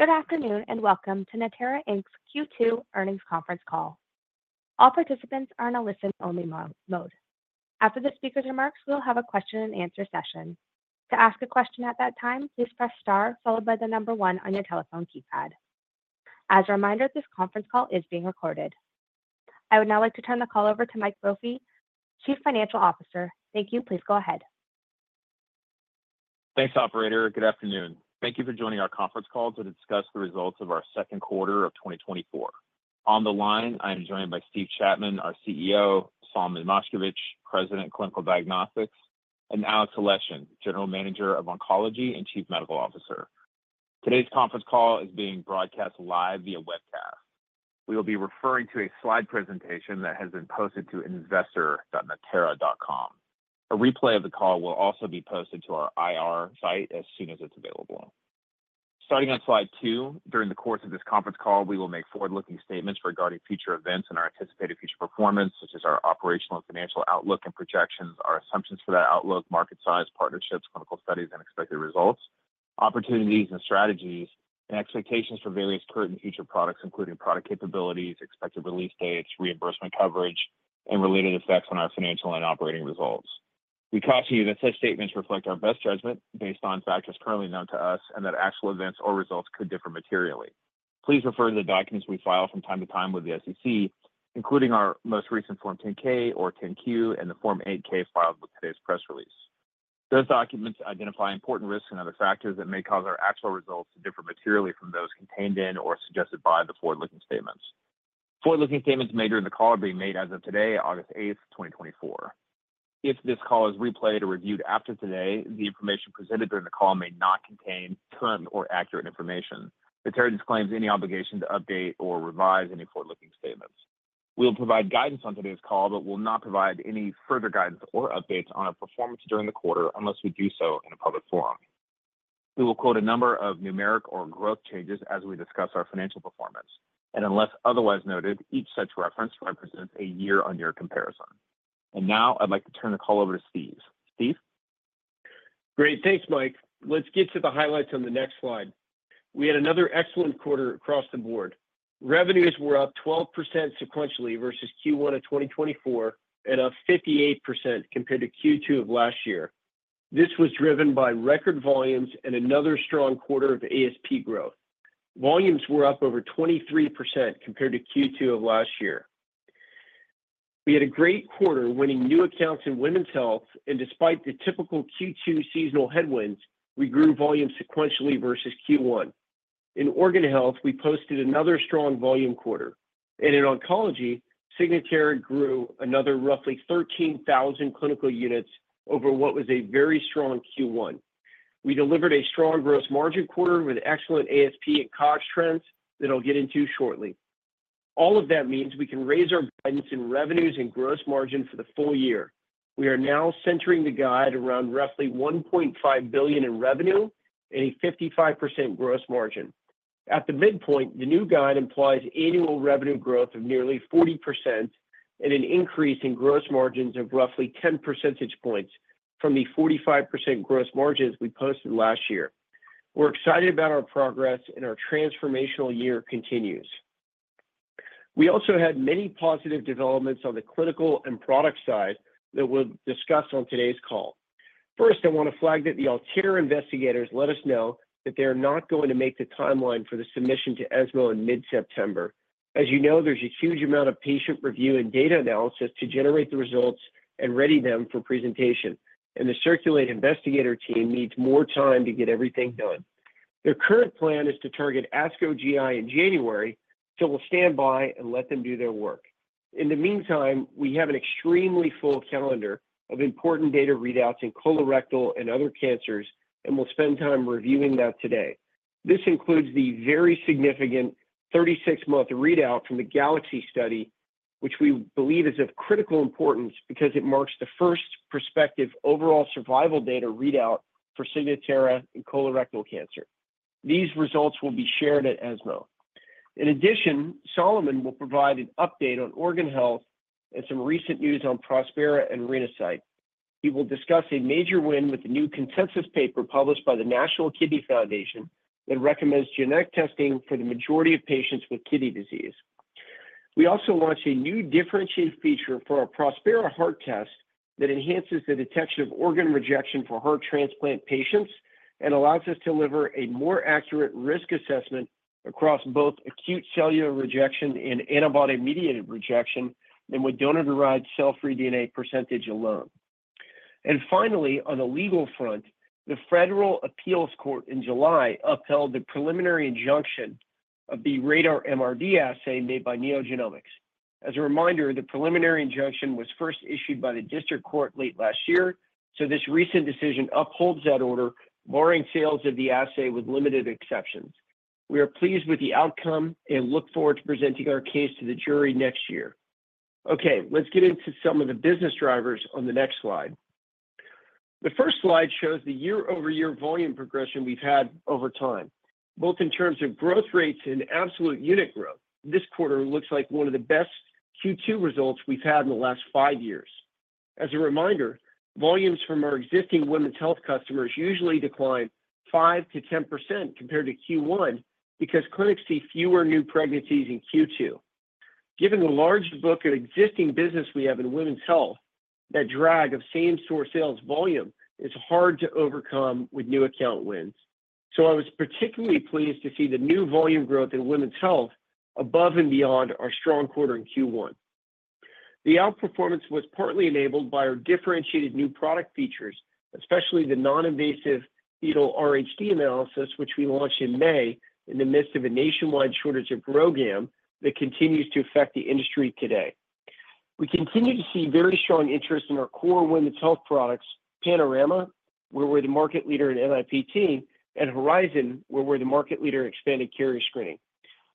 Good afternoon, and welcome to Natera Inc's Q2 Earnings Conference Call. All participants are on a listen-only mode. After the speaker's remarks, we will have a question and answer session. To ask a question at that time, please press star followed by the number one on your telephone keypad. As a reminder, this conference call is being recorded. I would now like to turn the call over to Mike Brophy, Chief Financial Officer. Thank you. Please go ahead. Thanks, operator. Good afternoon. Thank you for joining our conference call to discuss the results of our second quarter of 2024. On the line, I am joined by Steve Chapman, our CEO, Solomon Moshkevich, President, Clinical Diagnostics, and Alex Aleshin, General Manager of Oncology and Chief Medical Officer. Today's conference call is being broadcast live via webcast. We will be referring to a slide presentation that has been posted to investor.natera.com. A replay of the call will also be posted to our IR site as soon as it's available. Starting on slide 2, during the course of this conference call, we will make forward-looking statements regarding future events and our anticipated future performance, such as our operational and financial outlook and projections, our assumptions for that outlook, market size, partnerships, clinical studies and expected results, opportunities and strategies, and expectations for various current and future products, including product capabilities, expected release dates, reimbursement coverage, and related effects on our financial and operating results. We caution you that such statements reflect our best judgment based on factors currently known to us, and that actual events or results could differ materially. Please refer to the documents we file from time to time with the SEC, including our most recent Form 10-K or 10-Q and the Form 8-K filed with today's press release. Those documents identify important risks and other factors that may cause our actual results to differ materially from those contained in or suggested by the forward-looking statements. Forward-looking statements made during the call are being made as of today, August 8, 2024. If this call is replayed or reviewed after today, the information presented during the call may not contain current or accurate information. Natera disclaims any obligation to update or revise any forward-looking statements. We'll provide guidance on today's call, but will not provide any further guidance or updates on our performance during the quarter unless we do so in a public forum. We will quote a number of numeric or growth changes as we discuss our financial performance, and unless otherwise noted, each such reference represents a year-on-year comparison. Now I'd like to turn the call over to Steve. Steve? Great. Thanks, Mike. Let's get to the highlights on the next slide. We had another excellent quarter across the board. Revenues were up 12% sequentially versus Q1 of 2024 and up 58% compared to Q2 of last year. This was driven by record volumes and another strong quarter of ASP growth. Volumes were up over 23% compared to Q2 of last year. We had a great quarter winning new accounts in women's health, and despite the typical Q2 seasonal headwinds, we grew volume sequentially versus Q1. In organ health, we posted another strong volume quarter, and in oncology, Signatera grew another roughly 13,000 clinical units over what was a very strong Q1. We delivered a strong gross margin quarter with excellent ASP and COGS trends that I'll get into shortly. All of that means we can raise our guidance in revenues and gross margin for the full year. We are now centering the guide around roughly $1.5 billion in revenue and a 55% gross margin. At the midpoint, the new guide implies annual revenue growth of nearly 40% and an increase in gross margins of roughly 10 percentage points from the 45% gross margins we posted last year. We're excited about our progress, and our transformational year continues. We also had many positive developments on the clinical and product side that we'll discuss on today's call. First, I want to flag that the ALTAIR investigators let us know that they are not going to make the timeline for the submission to ESMO in mid-September. As you know, there's a huge amount of patient review and data analysis to generate the results and ready them for presentation, and the CIRCULATE investigator team needs more time to get everything done. Their current plan is to target ASCO GI in January, so we'll stand by and let them do their work. In the meantime, we have an extremely full calendar of important data readouts in colorectal and other cancers, and we'll spend time reviewing that today. This includes the very significant 36-month readout from the GALAXY study, which we believe is of critical importance because it marks the first prospective overall survival data readout for Signatera in colorectal cancer. These results will be shared at ESMO. In addition, Solomon will provide an update on organ health and some recent news on Prospera and Renasight. He will discuss a major win with the new consensus paper published by the National Kidney Foundation that recommends genetic testing for the majority of patients with kidney disease. We also launched a new differentiated feature for our Prospera Heart test that enhances the detection of organ rejection for heart transplant patients and allows us to deliver a more accurate risk assessment across both acute cellular rejection and antibody-mediated rejection than with donor-derived cell-free DNA percentage alone. Finally, on the legal front, the Federal Appeals Court in July upheld the preliminary injunction of the RaDaR MRD assay made by NeoGenomics. As a reminder, the preliminary injunction was first issued by the District Court late last year, so this recent decision upholds that order, barring sales of the assay with limited exceptions. We are pleased with the outcome and look forward to presenting our case to the jury next year. Okay, let's get into some of the business drivers on the next slide. The first slide shows the year-over-year volume progression we've had over time, both in terms of growth rates and absolute unit growth. This quarter looks like one of the best Q2 results we've had in the last 5 years. As a reminder, volumes from our existing women's health customers usually decline 5%-10% compared to Q1, because clinics see fewer new pregnancies in Q2. Given the large book of existing business we have in women's health, that drag of same-store sales volume is hard to overcome with new account wins. So I was particularly pleased to see the new volume growth in women's health above and beyond our strong quarter in Q1. The outperformance was partly enabled by our differentiated new product features, especially the non-invasive fetal RhD analysis, which we launched in May, in the midst of a nationwide shortage of RhoGAM that continues to affect the industry today. We continue to see very strong interest in our core women's health products, Panorama, where we're the market leader in NIPT, and Horizon, where we're the market leader in expanded carrier screening.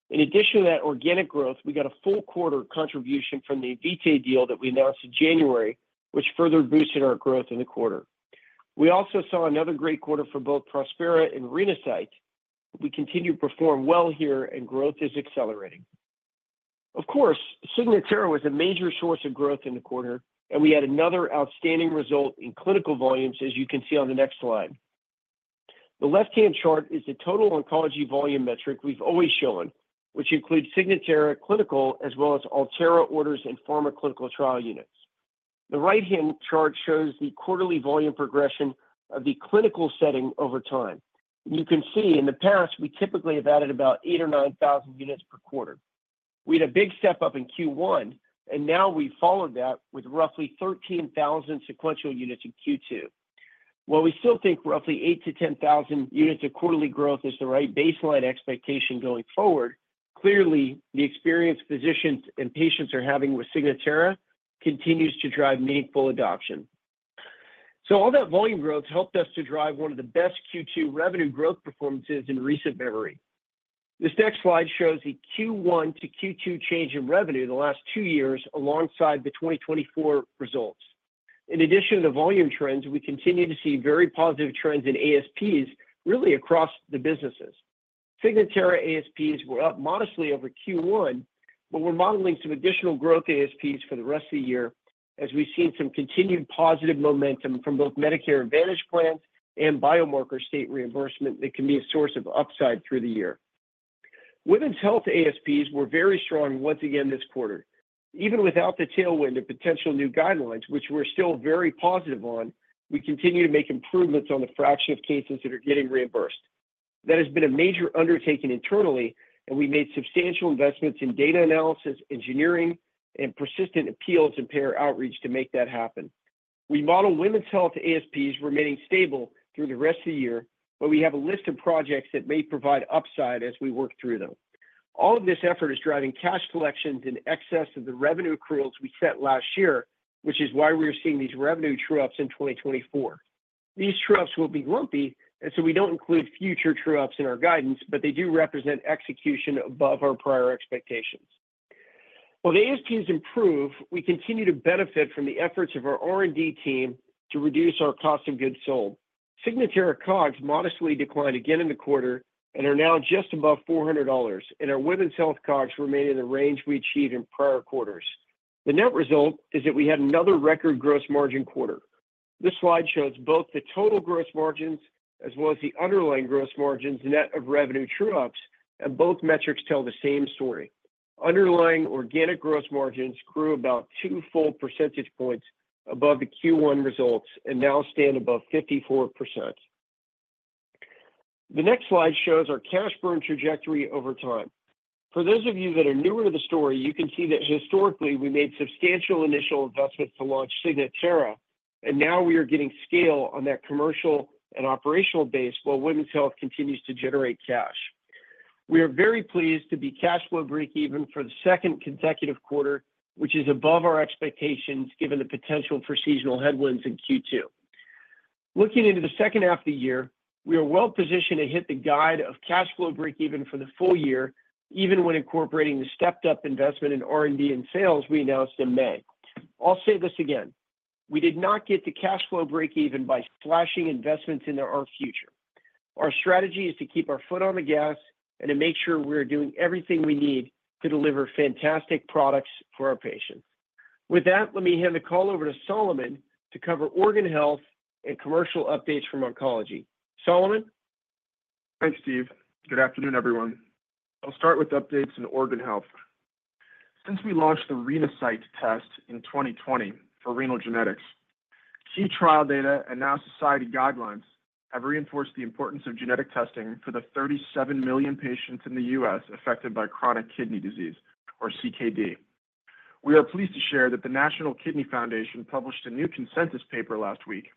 In addition to that organic growth, we got a full quarter contribution from the Invitae deal that we announced in January, which further boosted our growth in the quarter. We also saw another great quarter for both Prospera and Renasight. We continue to perform well here, and growth is accelerating. Of course, Signatera was a major source of growth in the quarter, and we had another outstanding result in clinical volumes, as you can see on the next slide. The left-hand chart is the total oncology volume metric we've always shown, which includes Signatera clinical, as well as Altera orders and pharma clinical trial units. The right-hand chart shows the quarterly volume progression of the clinical setting over time. You can see in the past, we typically have added about 8,000 or 9,000 units per quarter. We had a big step up in Q1, and now we followed that with roughly 13,000 sequential units in Q2. While we still think roughly 8,000 to 10,000 units of quarterly growth is the right baseline expectation going forward, clearly, the experience physicians and patients are having with Signatera continues to drive meaningful adoption. So all that volume growth helped us to drive one of the best Q2 revenue growth performances in recent memory. This next slide shows the Q1 to Q2 change in revenue the last two years alongside the 2024 results. In addition to volume trends, we continue to see very positive trends in ASPs, really across the businesses. Signatera ASPs were up modestly over Q1, but we're modeling some additional growth ASPs for the rest of the year, as we've seen some continued positive momentum from both Medicare Advantage Plans and biomarker state reimbursement that can be a source of upside through the year. Women's health ASPs were very strong once again this quarter. Even without the tailwind potential new guidelines, which we're still very positive on, we continue to make improvements on the fraction of cases that are getting reimbursed. That has been a major undertaking internally, and we made substantial investments in data analysis, engineering, and persistent appeals and payer outreach to make that happen. We model women's health ASPs remaining stable through the rest of the year, but we have a list of projects that may provide upside as we work through them. All of this effort is driving cash collections in excess of the revenue accruals we set last year, which is why we are seeing these revenue true-ups in 2024. These true-ups will be lumpy, and so we don't include future true-ups in our guidance, but they do represent execution above our prior expectations. While the ASPs improve, we continue to benefit from the efforts of our R&D team to reduce our cost of goods sold. Signatera COGS modestly declined again in the quarter and are now just above $400, and our women's health COGS remain in the range we achieved in prior quarters. The net result is that we had another record gross margin quarter. This slide shows both the total gross margins as well as the underlying gross margins, net of revenue true-ups, and both metrics tell the same story. Underlying organic gross margins grew about two full percentage points above the Q1 results and now stand above 54%. The next slide shows our cash burn trajectory over time. For those of you that are newer to the story, you can see that historically, we made substantial initial investments to launch Signatera, and now we are getting scale on that commercial and operational base, while women's health continues to generate cash. We are very pleased to be cash flow breakeven for the second consecutive quarter, which is above our expectations, given the potential for seasonal headwinds in Q2. Looking into the second half of the year, we are well positioned to hit the guide of cash flow breakeven for the full year, even when incorporating the stepped-up investment in R&D and sales we announced in May. I'll say this again, we did not get to cash flow breakeven by slashing investments into our future. Our strategy is to keep our foot on the gas and to make sure we're doing everything we need to deliver fantastic products for our patients. With that, let me hand the call over to Solomon to cover organ health and commercial updates from oncology. Solomon? Thanks, Steve. Good afternoon, everyone. I'll start with updates in organ health. Since we launched the Renasight test in 2020 for renal genetics, key trial data and now society guidelines have reinforced the importance of genetic testing for the 37 million patients in the U.S. affected by chronic kidney disease or CKD. We are pleased to share that the National Kidney Foundation published a new consensus paper last week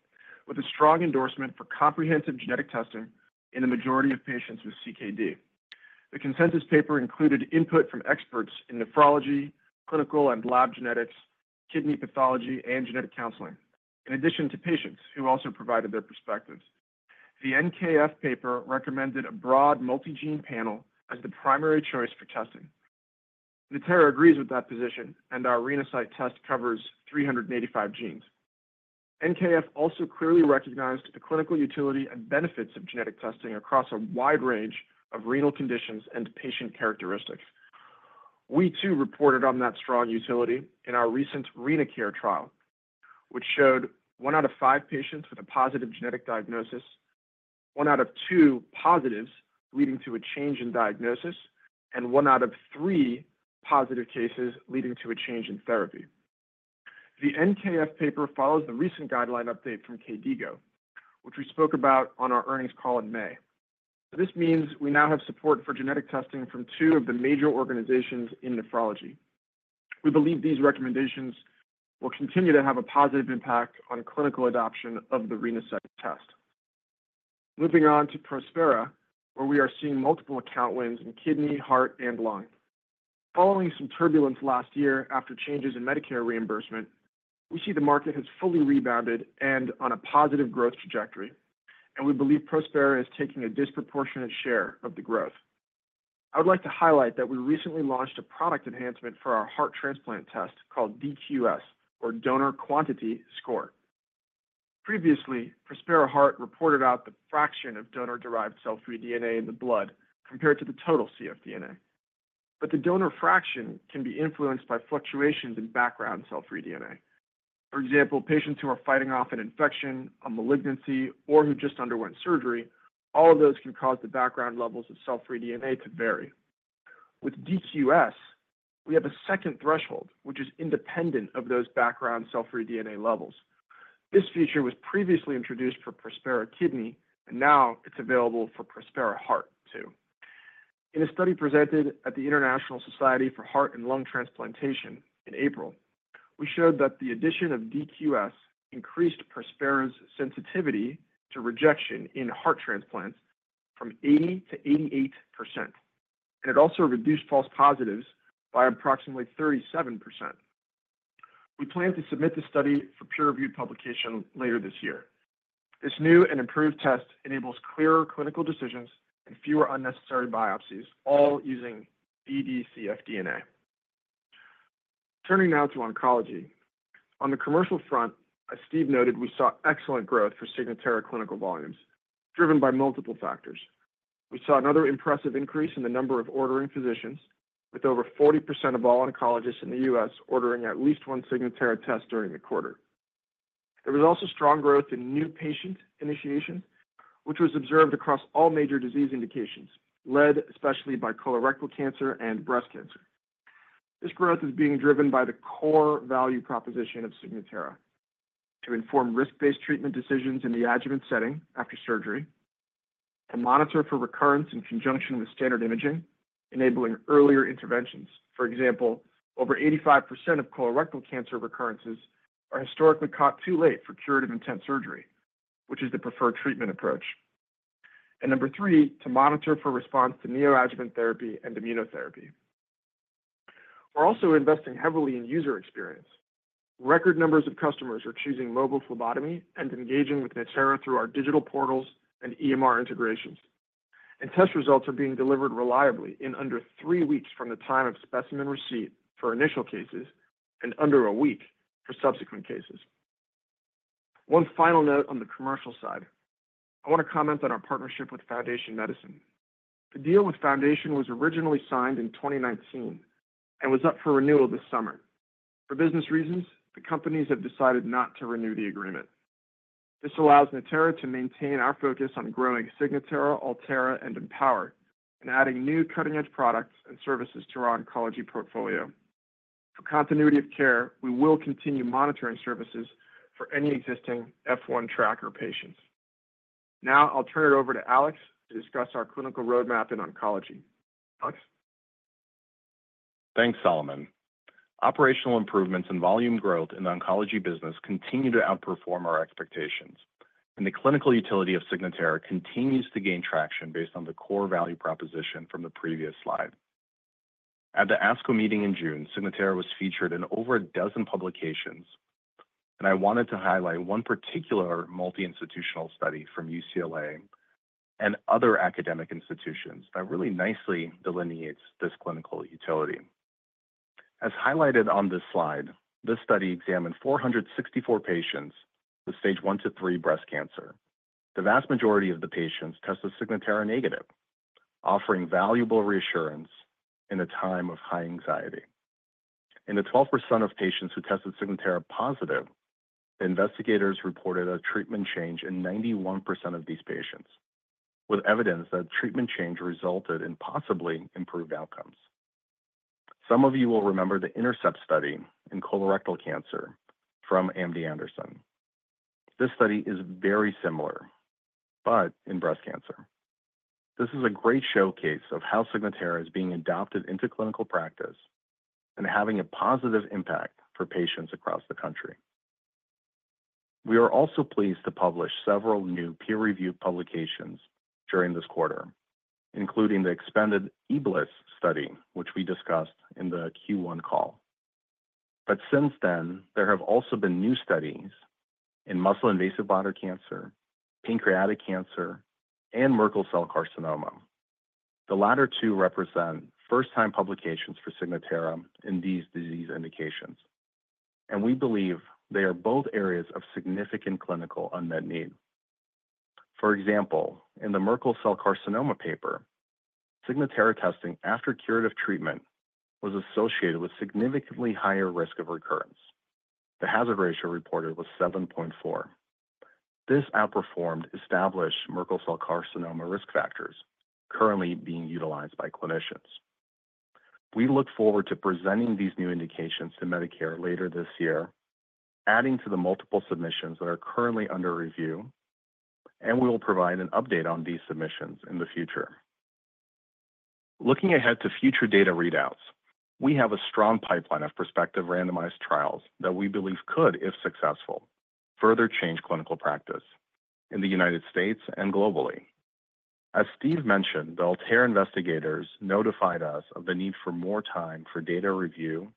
with a strong endorsement for comprehensive genetic testing in the majority of patients with CKD. The consensus paper included input from experts in nephrology, clinical and lab genetics, kidney pathology, and genetic counseling, in addition to patients who also provided their perspectives. The NKF paper recommended a broad multigene panel as the primary choice for testing. Natera agrees with that position, and our Renasight test covers 385 genes. NKF also clearly recognized the clinical utility and benefits of genetic testing across a wide range of renal conditions and patient characteristics. We, too, reported on that strong utility in our recent RenaCARE trial, which showed one out of five patients with a positive genetic diagnosis, one out of two positives leading to a change in diagnosis, and one out of three positive cases leading to a change in therapy. The NKF paper follows the recent guideline update from KDIGO, which we spoke about on our earnings call in May. This means we now have support for genetic testing from two of the major organizations in nephrology. We believe these recommendations will continue to have a positive impact on clinical adoption of the Renasight test. Moving on to Prospera, where we are seeing multiple account wins in kidney, heart, and lung. Following some turbulence last year after changes in Medicare reimbursement, we see the market has fully rebounded and on a positive growth trajectory, and we believe Prospera is taking a disproportionate share of the growth. I would like to highlight that we recently launched a product enhancement for our heart transplant test called DQS, or Donor Quantity Score. Previously, Prospera Heart reported out the fraction of donor-derived cell-free DNA in the blood compared to the total cfDNA. But the donor fraction can be influenced by fluctuations in background cell-free DNA. For example, patients who are fighting off an infection, a malignancy, or who just underwent surgery, all of those can cause the background levels of cell-free DNA to vary. With DQS, we have a second threshold, which is independent of those background cell-free DNA levels. This feature was previously introduced for Prospera Kidney, and now it's available for Prospera Heart, too. In a study presented at the International Society for Heart and Lung Transplantation in April, we showed that the addition of DQS increased Prospera's sensitivity to rejection in heart transplants from 80% to 88%, and it also reduced false positives by approximately 37%. We plan to submit this study for peer-reviewed publication later this year. This new and improved test enables clearer clinical decisions and fewer unnecessary biopsies, all using dd-cfDNA. Turning now to oncology. On the commercial front, as Steve noted, we saw excellent growth for Signatera clinical volumes, driven by multiple factors. We saw another impressive increase in the number of ordering physicians, with over 40% of all oncologists in the US ordering at least one Signatera test during the quarter. There was also strong growth in new patient initiation, which was observed across all major disease indications, led especially by colorectal cancer and breast cancer. This growth is being driven by the core value proposition of Signatera: to inform risk-based treatment decisions in the adjuvant setting after surgery, and monitor for recurrence in conjunction with standard imaging, enabling earlier interventions. For example, over 85% of colorectal cancer recurrences are historically caught too late for curative intense surgery, which is the preferred treatment approach. Number three, to monitor for response to neoadjuvant therapy and immunotherapy. We're also investing heavily in user experience. Record numbers of customers are choosing mobile phlebotomy and engaging with Natera through our digital portals and EMR integrations. Test results are being delivered reliably in under 3 weeks from the time of specimen receipt for initial cases and under a week for subsequent cases. One final note on the commercial side. I want to comment on our partnership with Foundation Medicine. The deal with Foundation was originally signed in 2019 and was up for renewal this summer. For business reasons, the companies have decided not to renew the agreement. This allows Natera to maintain our focus on growing Signatera, Altera, and Empower, and adding new cutting-edge products and services to our oncology portfolio. For continuity of care, we will continue monitoring services for any existing FoundationOne Tracker patients. Now, I'll turn it over to Alex to discuss our clinical roadmap in oncology. Alex? Thanks, Solomon. Operational improvements and volume growth in the oncology business continue to outperform our expectations, and the clinical utility of Signatera continues to gain traction based on the core value proposition from the previous slide. At the ASCO meeting in June, Signatera was featured in over a dozen publications, and I wanted to highlight one particular multi-institutional study from UCLA and other academic institutions that really nicely delineates this clinical utility. As highlighted on this slide, this study examined 464 patients with stage 1 to 3 breast cancer. The vast majority of the patients tested Signatera-negative, offering valuable reassurance in a time of high anxiety. In the 12% of patients who tested Signatera positive, the investigators reported a treatment change in 91% of these patients, with evidence that treatment change resulted in possibly improved outcomes. Some of you will remember the INTERCEPT study in colorectal cancer from MD Anderson. This study is very similar, but in breast cancer. This is a great showcase of how Signatera is being adopted into clinical practice and having a positive impact for patients across the country. We are also pleased to publish several new peer-reviewed publications during this quarter, including the expanded EBLIS study, which we discussed in the Q1 call. But since then, there have also been new studies in muscle-invasive bladder cancer, pancreatic cancer, and Merkel cell carcinoma. The latter two represent first-time publications for Signatera in these disease indications, and we believe they are both areas of significant clinical unmet need. For example, in the Merkel cell carcinoma paper, Signatera testing after curative treatment was associated with significantly higher risk of recurrence. The hazard ratio reported was 7.4. This outperformed established Merkel cell carcinoma risk factors currently being utilized by clinicians. We look forward to presenting these new indications to Medicare later this year, adding to the multiple submissions that are currently under review, and we will provide an update on these submissions in the future. Looking ahead to future data readouts, we have a strong pipeline of prospective randomized trials that we believe could, if successful, further change clinical practice in the United States and globally. As Steve mentioned, the ALTAIR investigators notified us of the need for more time for data review,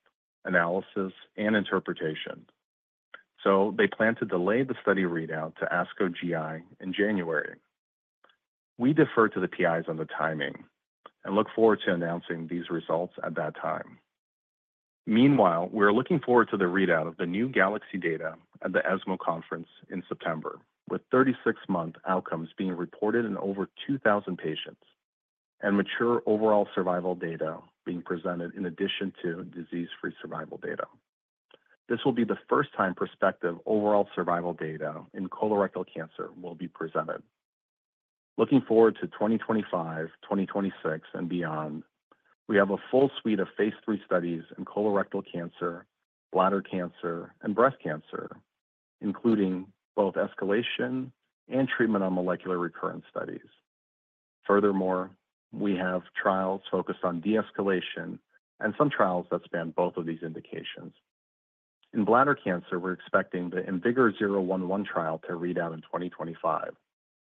analysis, and interpretation, so they plan to delay the study readout to ASCO GI in January. We defer to the PIs on the timing and look forward to announcing these results at that time. Meanwhile, we are looking forward to the readout of the new GALAXY data at the ESMO conference in September, with 36-month outcomes being reported in over 2,000 patients and mature overall survival data being presented in addition to disease-free survival data. This will be the first time prospective overall survival data in colorectal cancer will be presented. Looking forward to 2025, 2026, and beyond, we have a full suite of phase 3 studies in colorectal cancer, bladder cancer, and breast cancer, including both escalation and treatment on molecular recurrence studies. Furthermore, we have trials focused on de-escalation and some trials that span both of these indications. In bladder cancer, we're expecting the IMvigor011 trial to read out in 2025,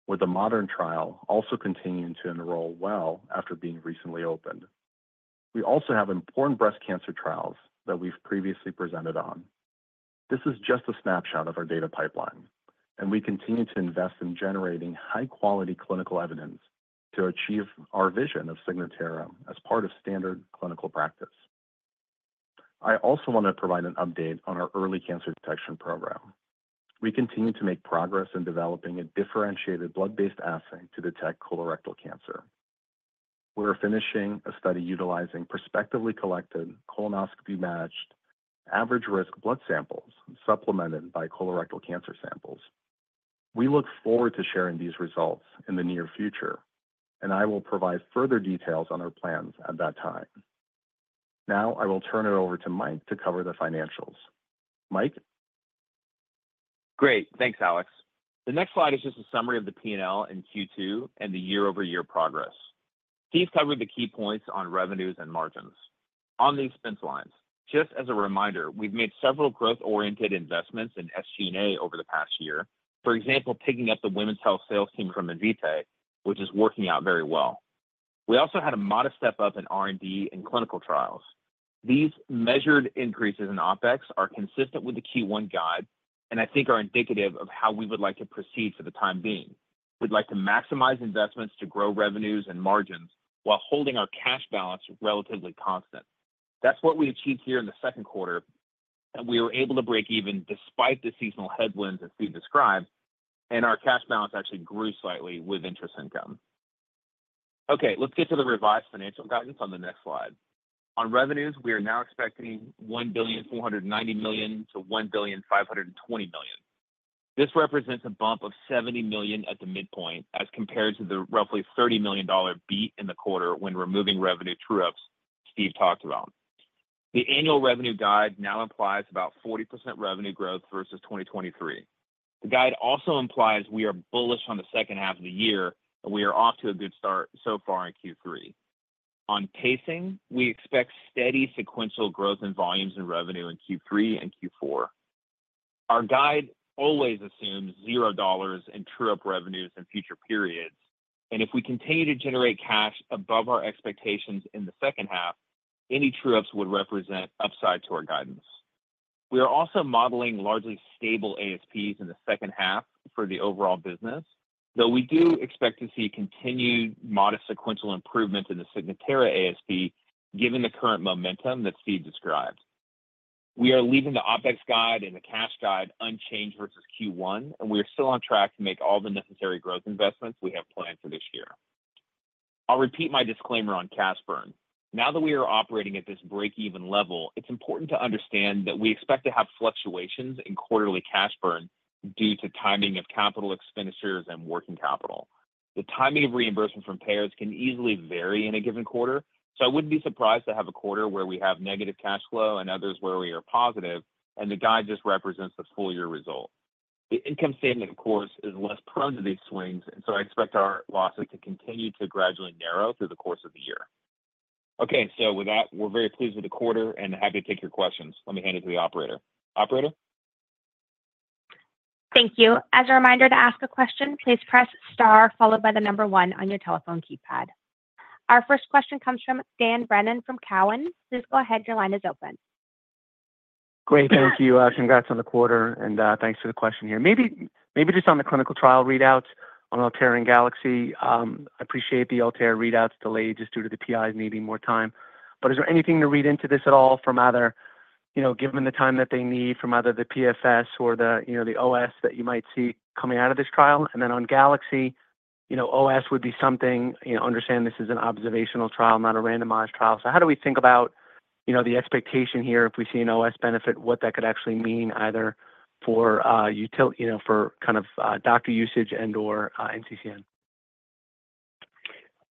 with the MODERN trial also continuing to enroll well after being recently opened. We also have important breast cancer trials that we've previously presented on. This is just a snapshot of our data pipeline, and we continue to invest in generating high-quality clinical evidence to achieve our vision of Signatera as part of standard clinical practice. I also want to provide an update on our early cancer detection program. We continue to make progress in developing a differentiated blood-based assay to detect colorectal cancer. We are finishing a study utilizing prospectively collected, colonoscopy-managed, average-risk blood samples supplemented by colorectal cancer samples. We look forward to sharing these results in the near future, and I will provide further details on our plans at that time. Now, I will turn it over to Mike to cover the financials. Mike? Great. Thanks, Alex. The next slide is just a summary of the P&L in Q2 and the year-over-year progress. Steve covered the key points on revenues and margins. On the expense lines, just as a reminder, we've made several growth-oriented investments in SG&A over the past year. For example, picking up the women's health sales team from Invitae, which is working out very well. We also had a modest step up in R&D in clinical trials. These measured increases in OpEx are consistent with the Q1 guide and I think are indicative of how we would like to proceed for the time being. We'd like to maximize investments to grow revenues and margins while holding our cash balance relatively constant. That's what we achieved here in the second quarter, and we were able to break even despite the seasonal headwinds that Steve described, and our cash balance actually grew slightly with interest income. Okay, let's get to the revised financial guidance on the next slide. On revenues, we are now expecting $1.49 billion-$1.52 billion. This represents a bump of $70 million at the midpoint as compared to the roughly $30 million beat in the quarter when removing revenue true-ups Steve talked about. The annual revenue guide now implies about 40% revenue growth versus 2023. The guide also implies we are bullish on the second half of the year, and we are off to a good start so far in Q3. On pacing, we expect steady sequential growth in volumes and revenue in Q3 and Q4. Our guide always assumes $0 in true-up revenues in future periods, and if we continue to generate cash above our expectations in the second half, any true-ups would represent upside to our guidance. We are also modeling largely stable ASPs in the second half for the overall business, though we do expect to see continued modest sequential improvement in the Signatera ASP, given the current momentum that Steve described. We are leaving the OpEx guide and the cash guide unchanged versus Q1, and we are still on track to make all the necessary growth investments we have planned for this year. I'll repeat my disclaimer on cash burn. Now that we are operating at this break-even level, it's important to understand that we expect to have fluctuations in quarterly cash burn due to timing of capital expenditures and working capital. The timing of reimbursement from payers can easily vary in a given quarter, so I wouldn't be surprised to have a quarter where we have negative cash flow and others where we are positive, and the guide just represents the full year result. The income statement, of course, is less prone to these swings, and so I expect our losses to continue to gradually narrow through the course of the year. Okay, so with that, we're very pleased with the quarter and happy to take your questions. Let me hand it to the operator. Operator? Thank you. As a reminder to ask a question, please press star followed by the number one on your telephone keypad. Our first question comes from Dan Brennan from Cowen. Please go ahead. Your line is open. Great. Thank you. Congrats on the quarter, and thanks for the question here. Maybe, maybe just on the clinical trial readouts on ALTAIR and GALAXY. I appreciate the ALTAIR readouts delayed just due to the PIs needing more time. But is there anything to read into this at all from either- you know, given the time that they need from either the PFS or the, you know, the OS that you might see coming out of this trial. And then on GALAXY, you know, OS would be something, you know, understand this is an observational trial, not a randomized trial. So how do we think about, you know, the expectation here if we see an OS benefit, what that could actually mean either for, util- you know, for kind of, doctor usage and/or, NCCN?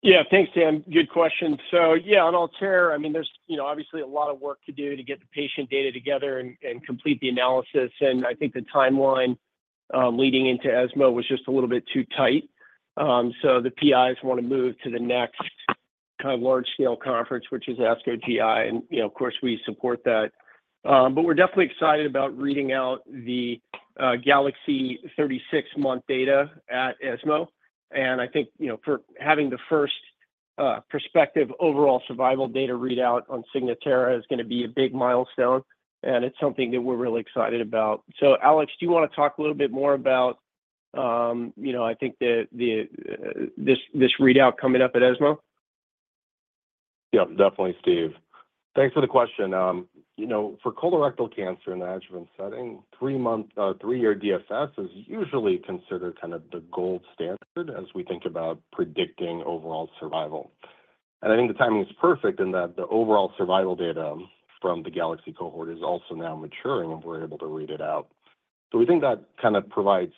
Yeah. Thanks, Tim. Good question. So, yeah, on ALTAIR, I mean, there's, you know, obviously a lot of work to do to get the patient data together and complete the analysis, and I think the timeline leading into ESMO was just a little bit too tight. So the PIs want to move to the next kind of large-scale conference, which is ASCO GI, and, you know, of course, we support that. But we're definitely excited about reading out the GALAXY 36-month data at ESMO. And I think, you know, for having the first prospective overall survival data readout on Signatera is going to be a big milestone, and it's something that we're really excited about. So Alex, do you want to talk a little bit more about, you know, I think the, the this readout coming up at ESMO? Yeah, definitely, Steve. Thanks for the question. You know, for colorectal cancer in the adjuvant setting, 3-month, 3-year DFS is usually considered kind of the gold standard as we think about predicting overall survival. And I think the timing is perfect in that the overall survival data from the GALAXY cohort is also now maturing, and we're able to read it out. So we think that kind of provides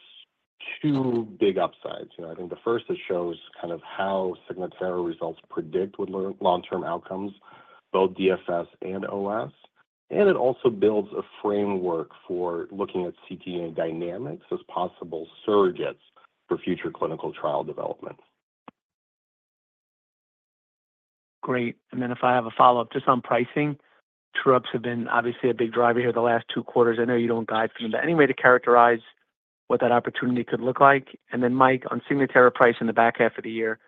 two big upsides. You know, I think the first, it shows kind of how Signatera results predict with long, long-term outcomes, both DFS and OS, and it also builds a framework for looking at ctDNA dynamics as possible surrogates for future clinical trial developments. Great. And then if I have a follow-up, just on pricing, true-ups have been obviously a big driver here the last two quarters. I know you don't guide to them, but any way to characterize what that opportunity could look like? And then, Mike, on Signatera price in the back half of the year,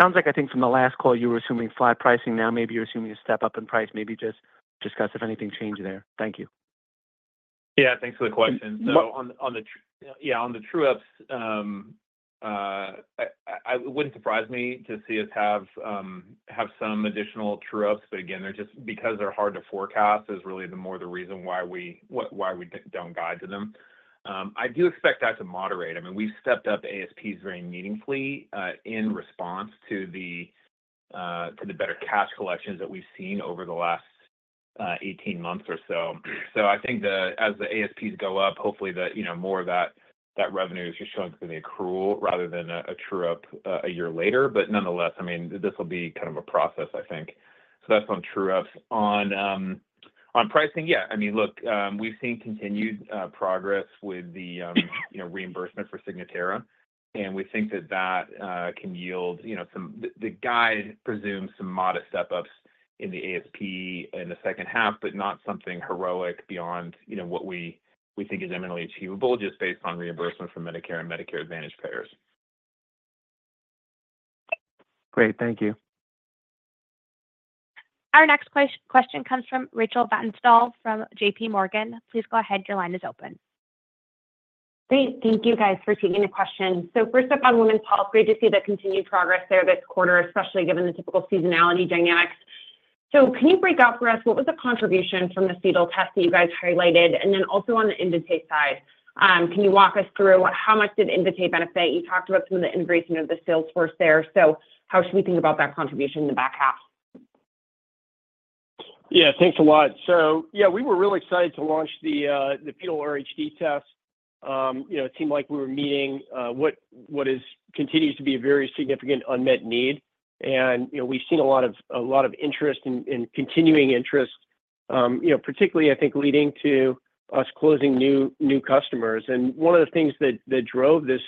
sounds like, I think from the last call, you were assuming flat pricing. Now, maybe you're assuming a step up in price. Maybe just discuss if anything changed there. Thank you. Yeah, thanks for the question. So on the true-ups, it wouldn't surprise me to see us have some additional true-ups, but again, they're just because they're hard to forecast is really the more the reason why we don't guide to them. I do expect that to moderate. I mean, we've stepped up ASPs very meaningfully in response to the better cash collections that we've seen over the last 18 months or so. So I think as the ASPs go up, hopefully, you know, more of that revenue is just going to be accrual rather than a true-up a year later. But nonetheless, I mean, this will be kind of a process, I think. So that's on true-ups. On pricing, yeah, I mean, look, we've seen continued progress with the, you know, reimbursement for Signatera, and we think that that can yield, you know, the guide presumes some modest step-ups in the ASP in the second half, but not something heroic beyond, you know, what we think is eminently achievable just based on reimbursement from Medicare and Medicare Advantage payers. Great. Thank you. Our next question comes from Rachel Vatnsdal from J.P. Morgan. Please go ahead. Your line is open. Great. Thank you, guys, for taking the question. So first up, on women's health, great to see the continued progress there this quarter, especially given the typical seasonality dynamics. So can you break out for us what was the contribution from the fetal test that you guys highlighted? And then also on the Invitae side, can you walk us through how much did Invitae benefit? You talked about some of the integration of the sales force there. So how should we think about that contribution in the back half? Yeah. Thanks a lot. So yeah, we were really excited to launch the fetal RhD test. You know, it seemed like we were meeting what continues to be a very significant unmet need. And, you know, we've seen a lot of interest in continuing interest, you know, particularly, I think, leading to us closing new customers. And one of the things that drove this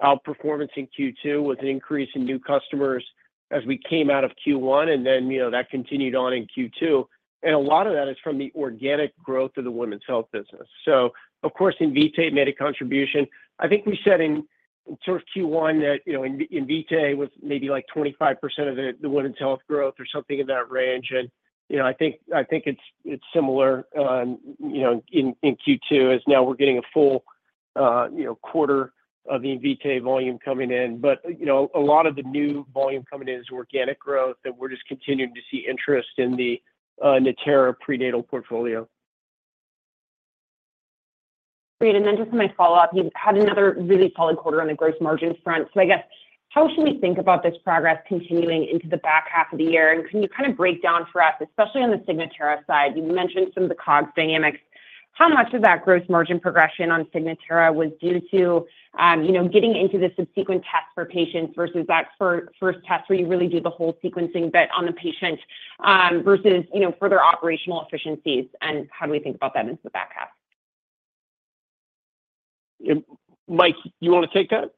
outperformance in Q2 was an increase in new customers as we came out of Q1, and then, you know, that continued on in Q2, and a lot of that is from the organic growth of the women's health business. So of course, Invitae made a contribution. I think we said in sort of Q1 that, you know, Invitae was maybe, like, 25% of the women's health growth or something in that range. And, you know, I think it's similar, you know, in Q2, as now we're getting a full quarter of the Invitae volume coming in. But, you know, a lot of the new volume coming in is organic growth, and we're just continuing to see interest in the Natera prenatal portfolio. Great. And then just for my follow-up, you've had another really solid quarter on the gross margin front. So I guess, how should we think about this progress continuing into the back half of the year? And can you kind of break down for us, especially on the Signatera side, you mentioned some of the COGS dynamics. How much of that gross margin progression on Signatera was due to, you know, getting into the subsequent test for patients versus that first test, where you really do the whole sequencing bet on the patient, versus, you know, further operational efficiencies? And how do we think about that into the back half? Mike, you want to take that?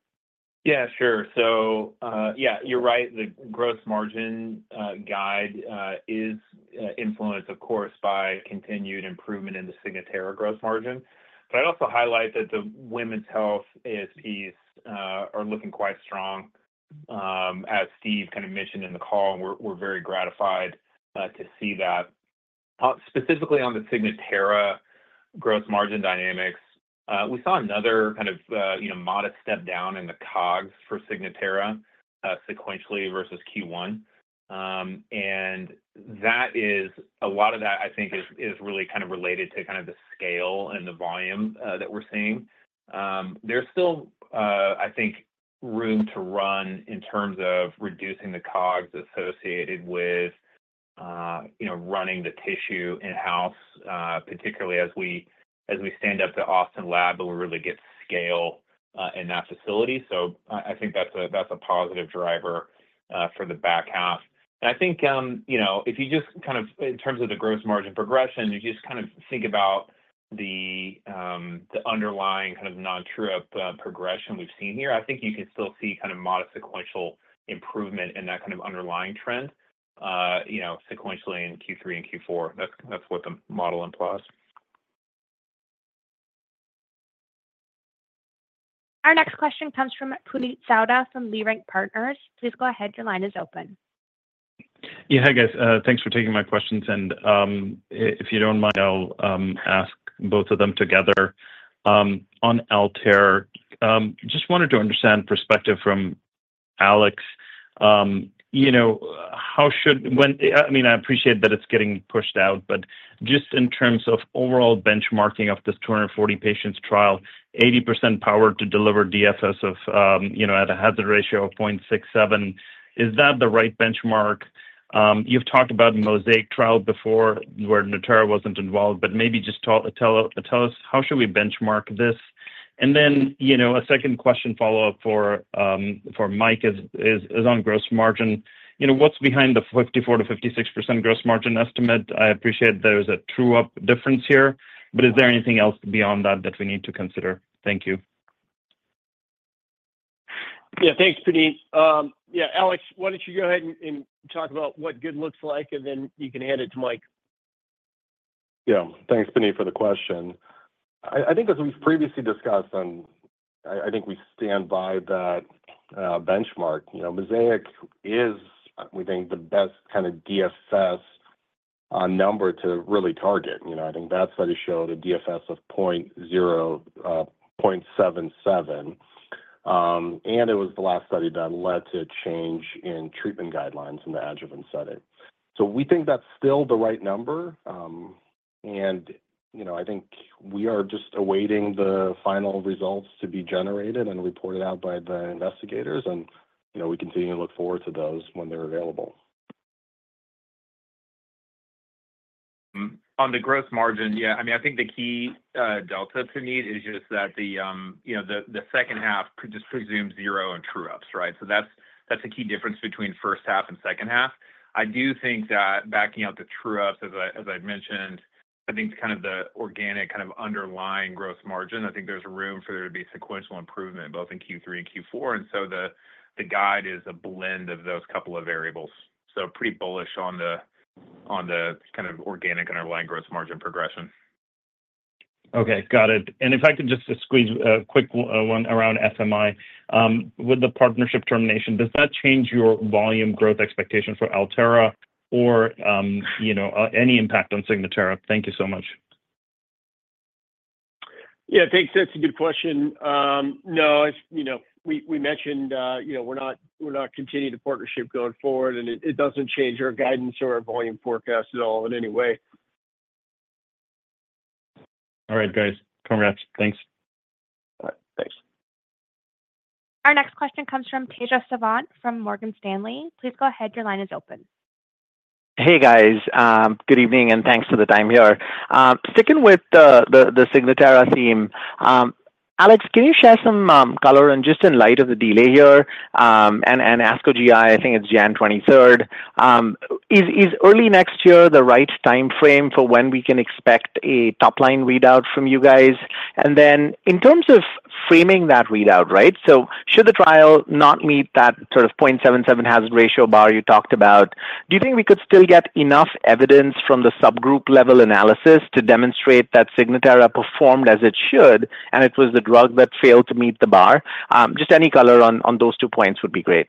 Yeah, sure. So, yeah, you're right. The gross margin guide is influenced, of course, by continued improvement in the Signatera gross margin. But I'd also highlight that the women's health ASPs are looking quite strong, as Steve kind of mentioned in the call, and we're very gratified to see that. Specifically on the Signatera gross margin dynamics. We saw another kind of, you know, modest step down in the COGS for Signatera, sequentially versus Q1. And that is, a lot of that, I think, is really kind of related to kind of the scale and the volume that we're seeing. There's still, I think, room to run in terms of reducing the COGS associated with, you know, running the tissue in-house, particularly as we, as we stand up the Austin lab, but we really get scale, in that facility. So I, I think that's a, that's a positive driver, for the back half. And I think, you know, if you just kind of, in terms of the gross margin progression, you just kind of think about the, the underlying kind of non-true-up, progression we've seen here. I think you can still see kind of modest sequential improvement in that kind of underlying trend, you know, sequentially in Q3 and Q4. That's, that's what the model implies. Our next question comes from Puneet Souda from Leerink Partners. Please go ahead, your line is open. Yeah, hi, guys. Thanks for taking my questions, and, if you don't mind, I'll ask both of them together. On ALTAIR, just wanted to understand perspective from Alex. You know, I mean, I appreciate that it's getting pushed out, but just in terms of overall benchmarking of this 240 patients trial, 80% powered to deliver DFS of, you know, at a hazard ratio of 0.67, is that the right benchmark? You've talked about MOSAIC trial before, where Natera wasn't involved, but maybe just tell us, how should we benchmark this? And then, you know, a second question follow-up for Mike is on gross margin. You know, what's behind the 54%-56% gross margin estimate? I appreciate there's a true-up difference here, but is there anything else beyond that, that we need to consider? Thank you. Yeah, thanks, Puneet. Yeah, Alex, why don't you go ahead and talk about what good looks like, and then you can hand it to Mike. Yeah. Thanks, Puneet, for the question. I think as we've previously discussed, and I think we stand by that benchmark. You know, MOSAIC is, we think, the best kind of DFS number to really target. You know, I think that study showed a DFS of 0.77. And it was the last study done, led to a change in treatment guidelines in the adjuvant setting. So we think that's still the right number. And, you know, I think we are just awaiting the final results to be generated and reported out by the investigators, and, you know, we continue to look forward to those when they're available. On the gross margin, yeah, I mean, I think the key delta to need is just that the, you know, the second half just presumes zero and true ups, right? So that's the key difference between first half and second half. I do think that backing out the true ups, as I'd mentioned, I think kind of the organic underlying gross margin, I think there's room for there to be sequential improvement, both in Q3 and Q4. And so the guide is a blend of those couple of variables. So pretty bullish on the kind of organic underlying gross margin progression. Okay, got it. And if I could just squeeze a quick one around FMI. With the partnership termination, does that change your volume growth expectation for Altera or, you know, any impact on Signatera? Thank you so much. Yeah, thanks. That's a good question. No, as you know, we, we mentioned, you know, we're not, we're not continuing the partnership going forward, and it, it doesn't change our guidance or our volume forecast at all in any way. All right, guys. Congrats. Thanks. All right. Thanks. Our next question comes from Tejas Savant, from Morgan Stanley. Please go ahead, your line is open. Hey, guys. Good evening, and thanks for the time here. Sticking with the Signatera theme, Alex, can you share some color and just in light of the delay here, and ASCO GI, I think it's January twenty-third, is early next year the right time frame for when we can expect a top-line readout from you guys? And then in terms of framing that readout, right, so should the trial not meet that sort of 0.77 hazard ratio bar you talked about, do you think we could still get enough evidence from the subgroup level analysis to demonstrate that Signatera performed as it should, and it was the drug that failed to meet the bar? Just any color on those two points would be great.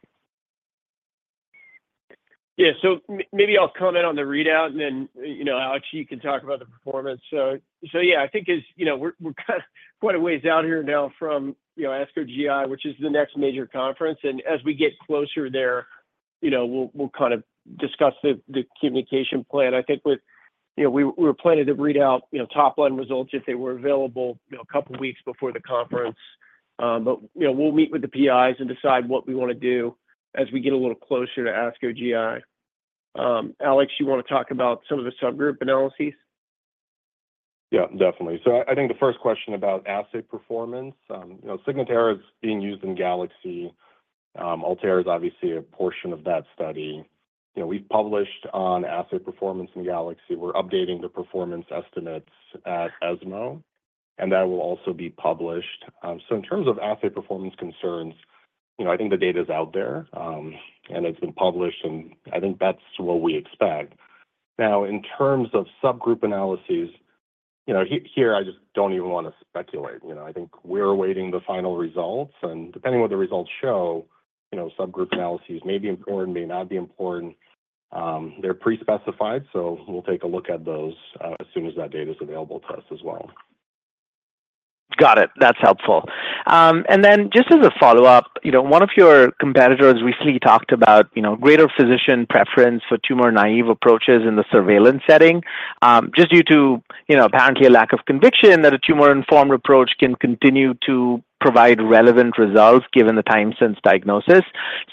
Yeah. So maybe I'll comment on the readout, and then, you know, Alex, you can talk about the performance. So, so yeah, I think it's, you know, we're kind quite a ways out here now from, you know, ASCO GI, which is the next major conference, and as we get closer there, you know, we'll kind of discuss the communication plan. I think with... You know, we're planning to read out, you know, top-line results if they were available, you know, a couple of weeks before the conference. But, you know, we'll meet with the PIs and decide what we want to do as we get a little closer to ASCO GI. Alex, you want to talk about some of the subgroup analyses? Yeah, definitely. So I think the first question about assay performance, you know, Signatera is being used in GALAXY. ALTAIR is obviously a portion of that study. You know, we've published on assay performance in GALAXY. We're updating the performance estimates at ESMO, and that will also be published. So in terms of assay performance concerns, you know, I think the data is out there, and it's been published, and I think that's what we expect. Now, in terms of subgroup analyses, you know, here, I just don't even want to speculate. You know, I think we're awaiting the final results, and depending on what the results show, you know, subgroup analyses may be important, may not be important. They're pre-specified, so we'll take a look at those, as soon as that data is available to us as well. Got it. That's helpful. And then just as a follow-up, you know, one of your competitors recently talked about, you know, greater physician preference for tumor-naive approaches in the surveillance setting, just due to, you know, apparently a lack of conviction that a tumor-informed approach can continue to provide relevant results, given the time since diagnosis.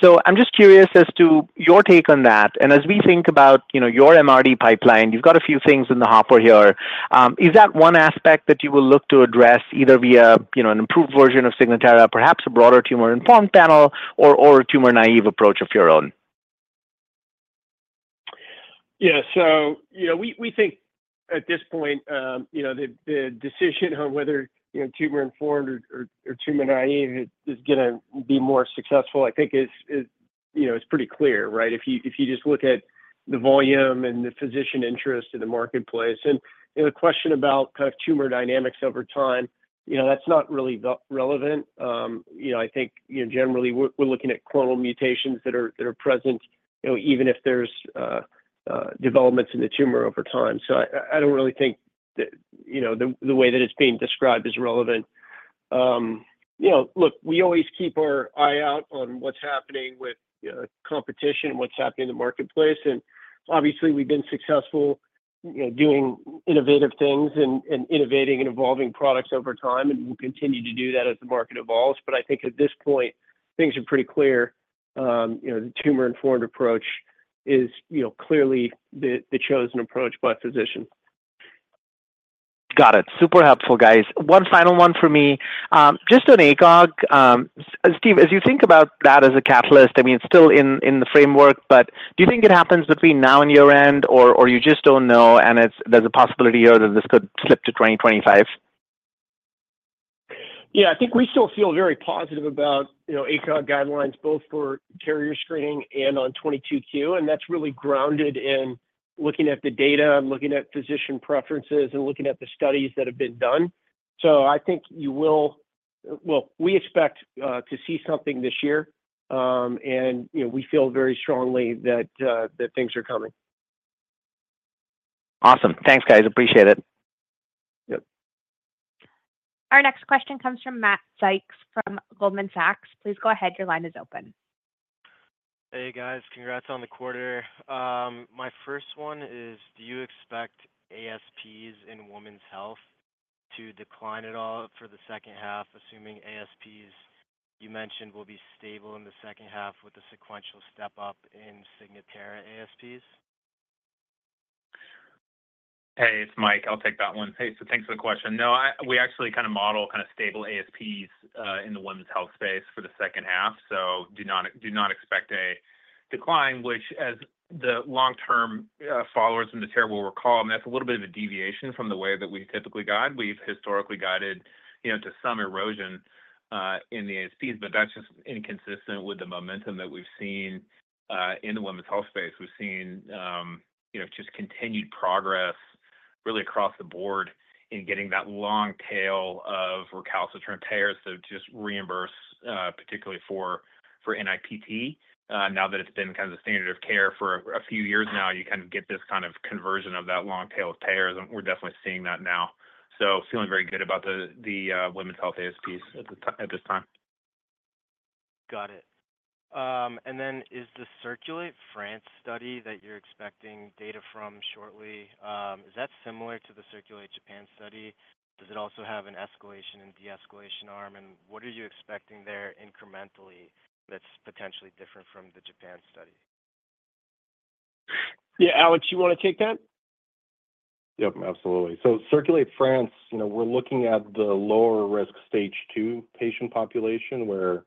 So I'm just curious as to your take on that, and as we think about, you know, your MRD pipeline, you've got a few things in the hopper here. Is that one aspect that you will look to address, either via, you know, an improved version of Signatera, perhaps a broader tumor-informed panel, or, or a tumor-naive approach of your own? Yeah. So, you know, we think at this point, you know, the decision on whether tumor-informed or tumor-naive is gonna be more successful, I think is, you know, it's pretty clear, right? If you just look at the volume and the physician interest in the marketplace, and, you know, the question about kind of tumor dynamics over time, you know, that's not really the relevant. You know, I think, you know, generally, we're looking at clonal mutations that are present, you know, even if there's developments in the tumor over time. So I don't really think that, you know, the way that it's being described is relevant. You know, look, we always keep our eye out on what's happening with competition and what's happening in the marketplace, and obviously, we've been successful, you know, doing innovative things and innovating and evolving products over time, and we'll continue to do that as the market evolves. But I think at this point, things are pretty clear. You know, the tumor-informed approach is, you know, clearly the chosen approach by physician. Got it. Super helpful, guys. One final one for me. Just on ACOG, Steve, as you think about that as a catalyst, I mean, it's still in the framework, but do you think it happens between now and year-end, or you just don't know, and it's, there's a possibility here that this could slip to 2025? Yeah, I think we still feel very positive about, you know, ACOG guidelines, both for carrier screening and on 22q, and that's really grounded in looking at the data and looking at physician preferences and looking at the studies that have been done. So I think, well, we expect to see something this year. You know, we feel very strongly that things are coming. Awesome. Thanks, guys. Appreciate it. Yep. Our next question comes from Matt Sykes from Goldman Sachs. Please go ahead. Your line is open. Hey, guys. Congrats on the quarter. My first one is, do you expect ASPs in women's health to decline at all for the second half, assuming ASPs, you mentioned, will be stable in the second half with a sequential step up in Signatera ASPs? Hey, it's Mike. I'll take that one. Hey, so thanks for the question. No, I-- we actually kind of model kind of stable ASPs in the women's health space for the second half, so do not, do not expect a decline, which as the long-term followers in the Natera will recall, and that's a little bit of a deviation from the way that we typically guide. We've historically guided, you know, to some erosion in the ASPs, but that's just inconsistent with the momentum that we've seen in the women's health space. We've seen, you know, just continued progress really across the board in getting that long tail of recalcitrant payers, so just reimburse, particularly for NIPT. Now that it's been kind of the standard of care for a few years now, you kind of get this kind of conversion of that long tail of payers, and we're definitely seeing that now. So feeling very good about the women's health ASPs at this time. Got it. And then is the CIRCULATE France study that you're expecting data from shortly, is that similar to the CIRCULATE Japan study? Does it also have an escalation and de-escalation arm, and what are you expecting there incrementally that's potentially different from the Japan study? Yeah. Alex, you want to take that? Yep, absolutely. So CIRCULATE France, you know, we're looking at the lower risk stage two patient population, where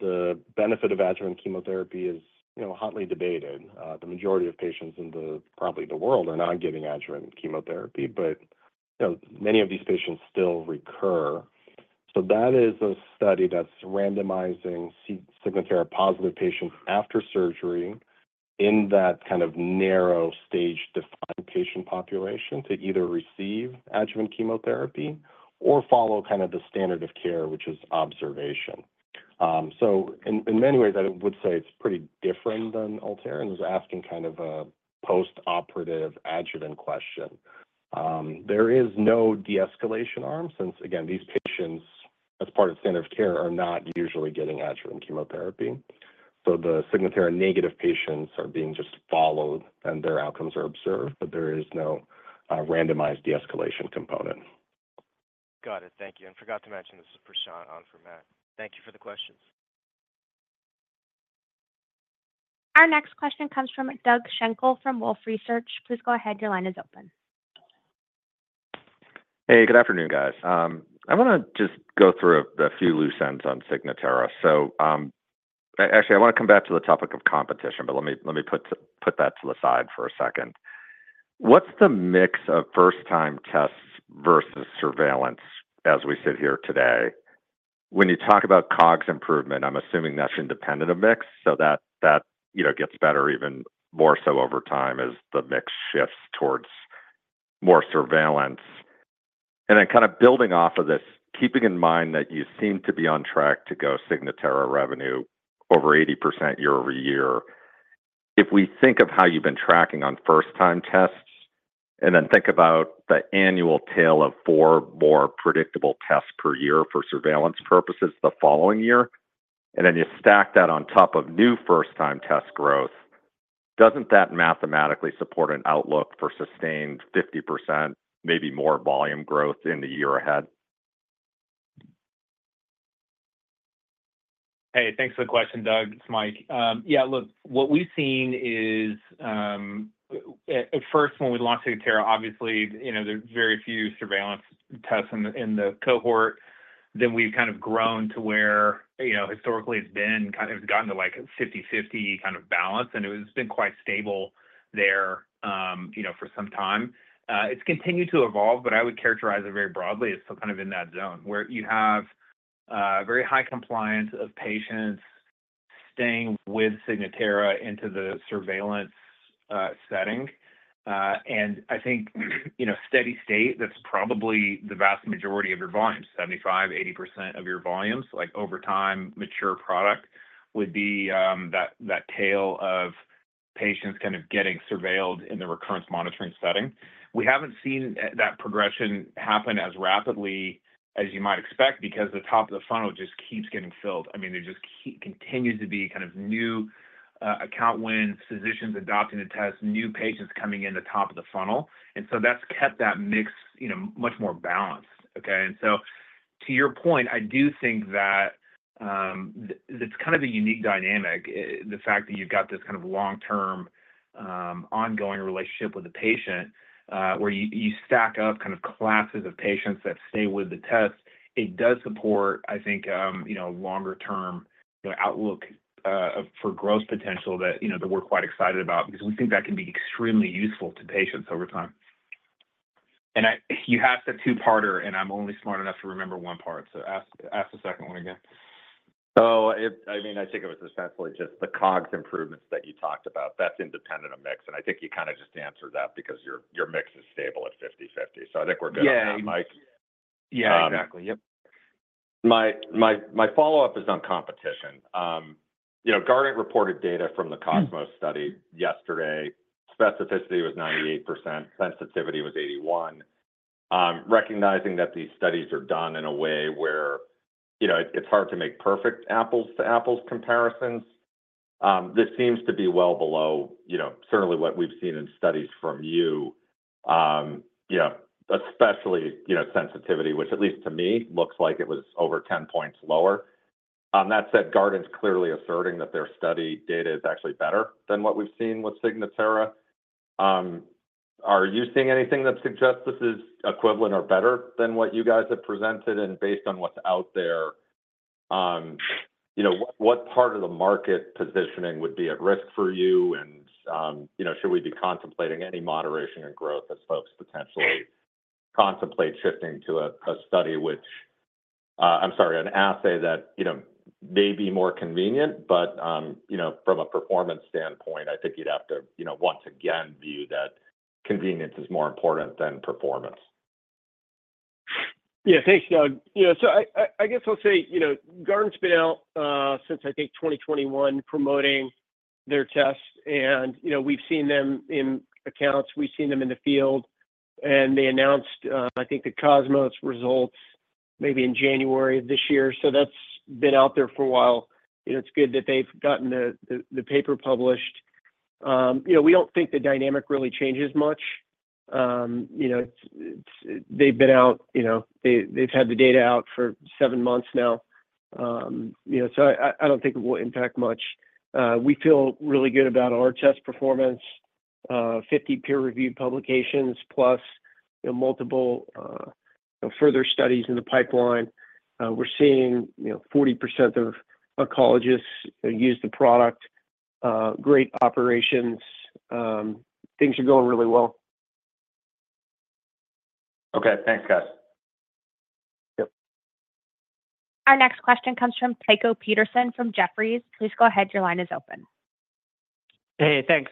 the benefit of adjuvant chemotherapy is, you know, hotly debated. The majority of patients in the, probably the world, are not giving adjuvant chemotherapy, but, you know, many of these patients still recur. So that is a study that's randomizing Signatera-positive patients after surgery in that kind of narrow stage, defined patient population to either receive adjuvant chemotherapy or follow kind of the standard of care, which is observation. So in, in many ways, I would say it's pretty different than ALTAIR, and it's asking kind of a post-operative adjuvant question. There is no de-escalation arm, since again, these patients, as part of standard of care, are not usually getting adjuvant chemotherapy. The Signatera negative patients are being just followed, and their outcomes are observed, but there is no randomized de-escalation component. Got it. Thank you. Forgot to mention, this is Prashant on for Matt. Thank you for the question. Our next question comes from Doug Schenkel, from Wolfe Research. Please go ahead. Your line is open. Hey, good afternoon, guys. I wanna just go through a few loose ends on Signatera. So, actually, I want to come back to the topic of competition, but let me put that to the side for a second. What's the mix of first-time tests versus surveillance as we sit here today? When you talk about COGS improvement, I'm assuming that's independent of mix, so that, you know, gets better even more so over time as the mix shifts towards more surveillance. And then kind of building off of this, keeping in mind that you seem to be on track to go Signatera revenue over 80% year-over-year. If we think of how you've been tracking on first-time tests, and then think about the annual tail of four more predictable tests per year for surveillance purposes the following year, and then you stack that on top of new first-time test growth, doesn't that mathematically support an outlook for sustained 50%, maybe more volume growth in the year ahead? Hey, thanks for the question, Doug. It's Mike. Yeah, look, what we've seen is, at first when we launched Signatera, obviously, you know, there's very few surveillance tests in the, in the cohort. Then we've kind of grown to where, you know, historically it's been kind of gotten to, like, a 50/50 kind of balance, and it's been quite stable there, you know, for some time. It's continued to evolve, but I would characterize it very broadly. It's still kind of in that zone, where you have, very high compliance of patients staying with Signatera into the surveillance, setting. And I think, you know, steady state, that's probably the vast majority of your volume, 75%-80% of your volume. So, like, over time, mature product would be, that, that tail of patients kind of getting surveilled in the recurrence monitoring setting. We haven't seen, that progression happen as rapidly as you might expect, because the top of the funnel just keeps getting filled. I mean, there just continues to be kind of new, account wins, physicians adopting the test, new patients coming in the top of the funnel, and so that's kept that mix, you know, much more balanced, okay? And so, to your point, I do think that, it's kind of a unique dynamic, the fact that you've got this kind of long-term, ongoing relationship with the patient, where you, you stack up kind of classes of patients that stay with the test. It does support, I think, you know, longer term, you know, outlook, for growth potential that, you know, that we're quite excited about, because we think that can be extremely useful to patients over time. And you asked a two-parter, and I'm only smart enough to remember one part, so ask, ask the second one again. I mean, I think it was essentially just the COGS improvements that you talked about. That's independent of mix, and I think you kind of just answered that because your, your mix is stable at 50/50. So I think we're good on that, Mike. Yeah, exactly. Yep. My follow-up is on competition. You know, Guardant reported data from the COSMOS study yesterday. Specificity was 98%, sensitivity was 81%. Recognizing that these studies are done in a way where, you know, it's hard to make perfect apples to apples comparisons, this seems to be well below, you know, certainly what we've seen in studies from you. You know, especially, you know, sensitivity, which, at least to me, looks like it was over 10 points lower. That said, Guardant's clearly asserting that their study data is actually better than what we've seen with Signatera. Are you seeing anything that suggests this is equivalent or better than what you guys have presented? Based on what's out there, you know, what part of the market positioning would be at risk for you? And, you know, should we be contemplating any moderation in growth as folks potentially contemplate shifting to a study which, I'm sorry, an assay that, you know, may be more convenient, but, you know, from a performance standpoint, I think you'd have to, you know, once again view that convenience is more important than performance? Yeah. Thanks, Doug. You know, so I guess I'll say, you know, Guardant's been out since, I think, 2021, promoting their tests and, you know, we've seen them in accounts, we've seen them in the field, and they announced, I think, the COSMOS results maybe in January of this year. So that's been out there for a while, and it's good that they've gotten the paper published. You know, we don't think the dynamic really changes much. You know, it's. They've been out, you know, they, they've had the data out for seven months now. You know, so I don't think it will impact much. We feel really good about our test performance, 50 peer-reviewed publications, plus, you know, multiple further studies in the pipeline. We're seeing, you know, 40% of oncologists use the product, great operations. Things are going really well. Okay. Thanks, guys. Yep. Our next question comes from Tycho Peterson from Jefferies. Please go ahead. Your line is open. Hey, thanks.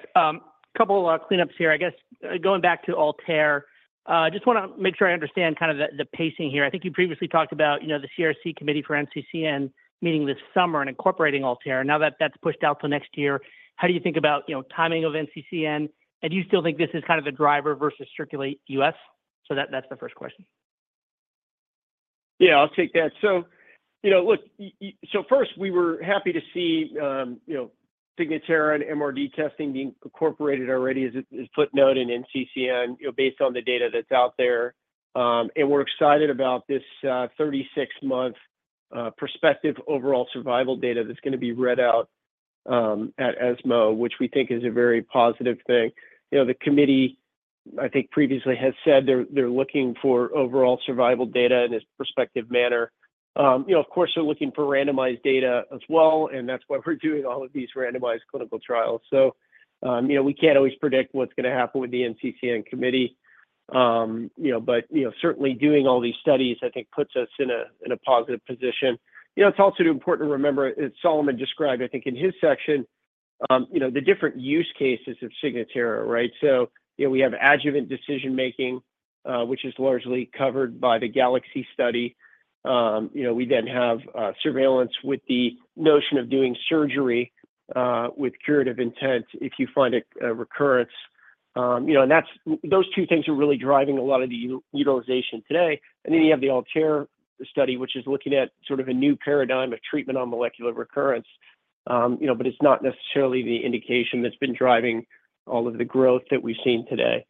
Couple of cleanups here, I guess, going back to ALTAIR. Just wanna make sure I understand kind of the pacing here. I think you previously talked about, you know, the CRC committee for NCCN meeting this summer and incorporating ALTAIR. Now, that's pushed out till next year, how do you think about, you know, timing of NCCN? And do you still think this is kind of a driver versus CIRCULATE-US? So that's the first question. Yeah, I'll take that. So, you know, look, so first, we were happy to see, you know, Signatera and MRD testing being incorporated already as a, as footnote in NCCN, you know, based on the data that's out there. And we're excited about this, 36-month, prospective overall survival data that's gonna be read out, at ESMO, which we think is a very positive thing. You know, the committee, I think, previously has said they're, they're looking for overall survival data in this prospective manner. You know, of course, we're looking for randomized data as well, and that's why we're doing all of these randomized clinical trials. So, you know, we can't always predict what's gonna happen with the NCCN committee. You know, but, you know, certainly doing all these studies, I think, puts us in a, in a positive position. You know, it's also important to remember, as Solomon described, I think in his section, you know, the different use cases of Signatera, right? So, you know, we have adjuvant decision-making, which is largely covered by the GALAXY study. You know, we then have surveillance with the notion of doing surgery with curative intent if you find a recurrence. You know, and that's those two things are really driving a lot of the utilization today. And then you have the ALTAIR study, which is looking at sort of a new paradigm of treatment on molecular recurrence. You know, but it's not necessarily the indication that's been driving all of the growth that we've seen today.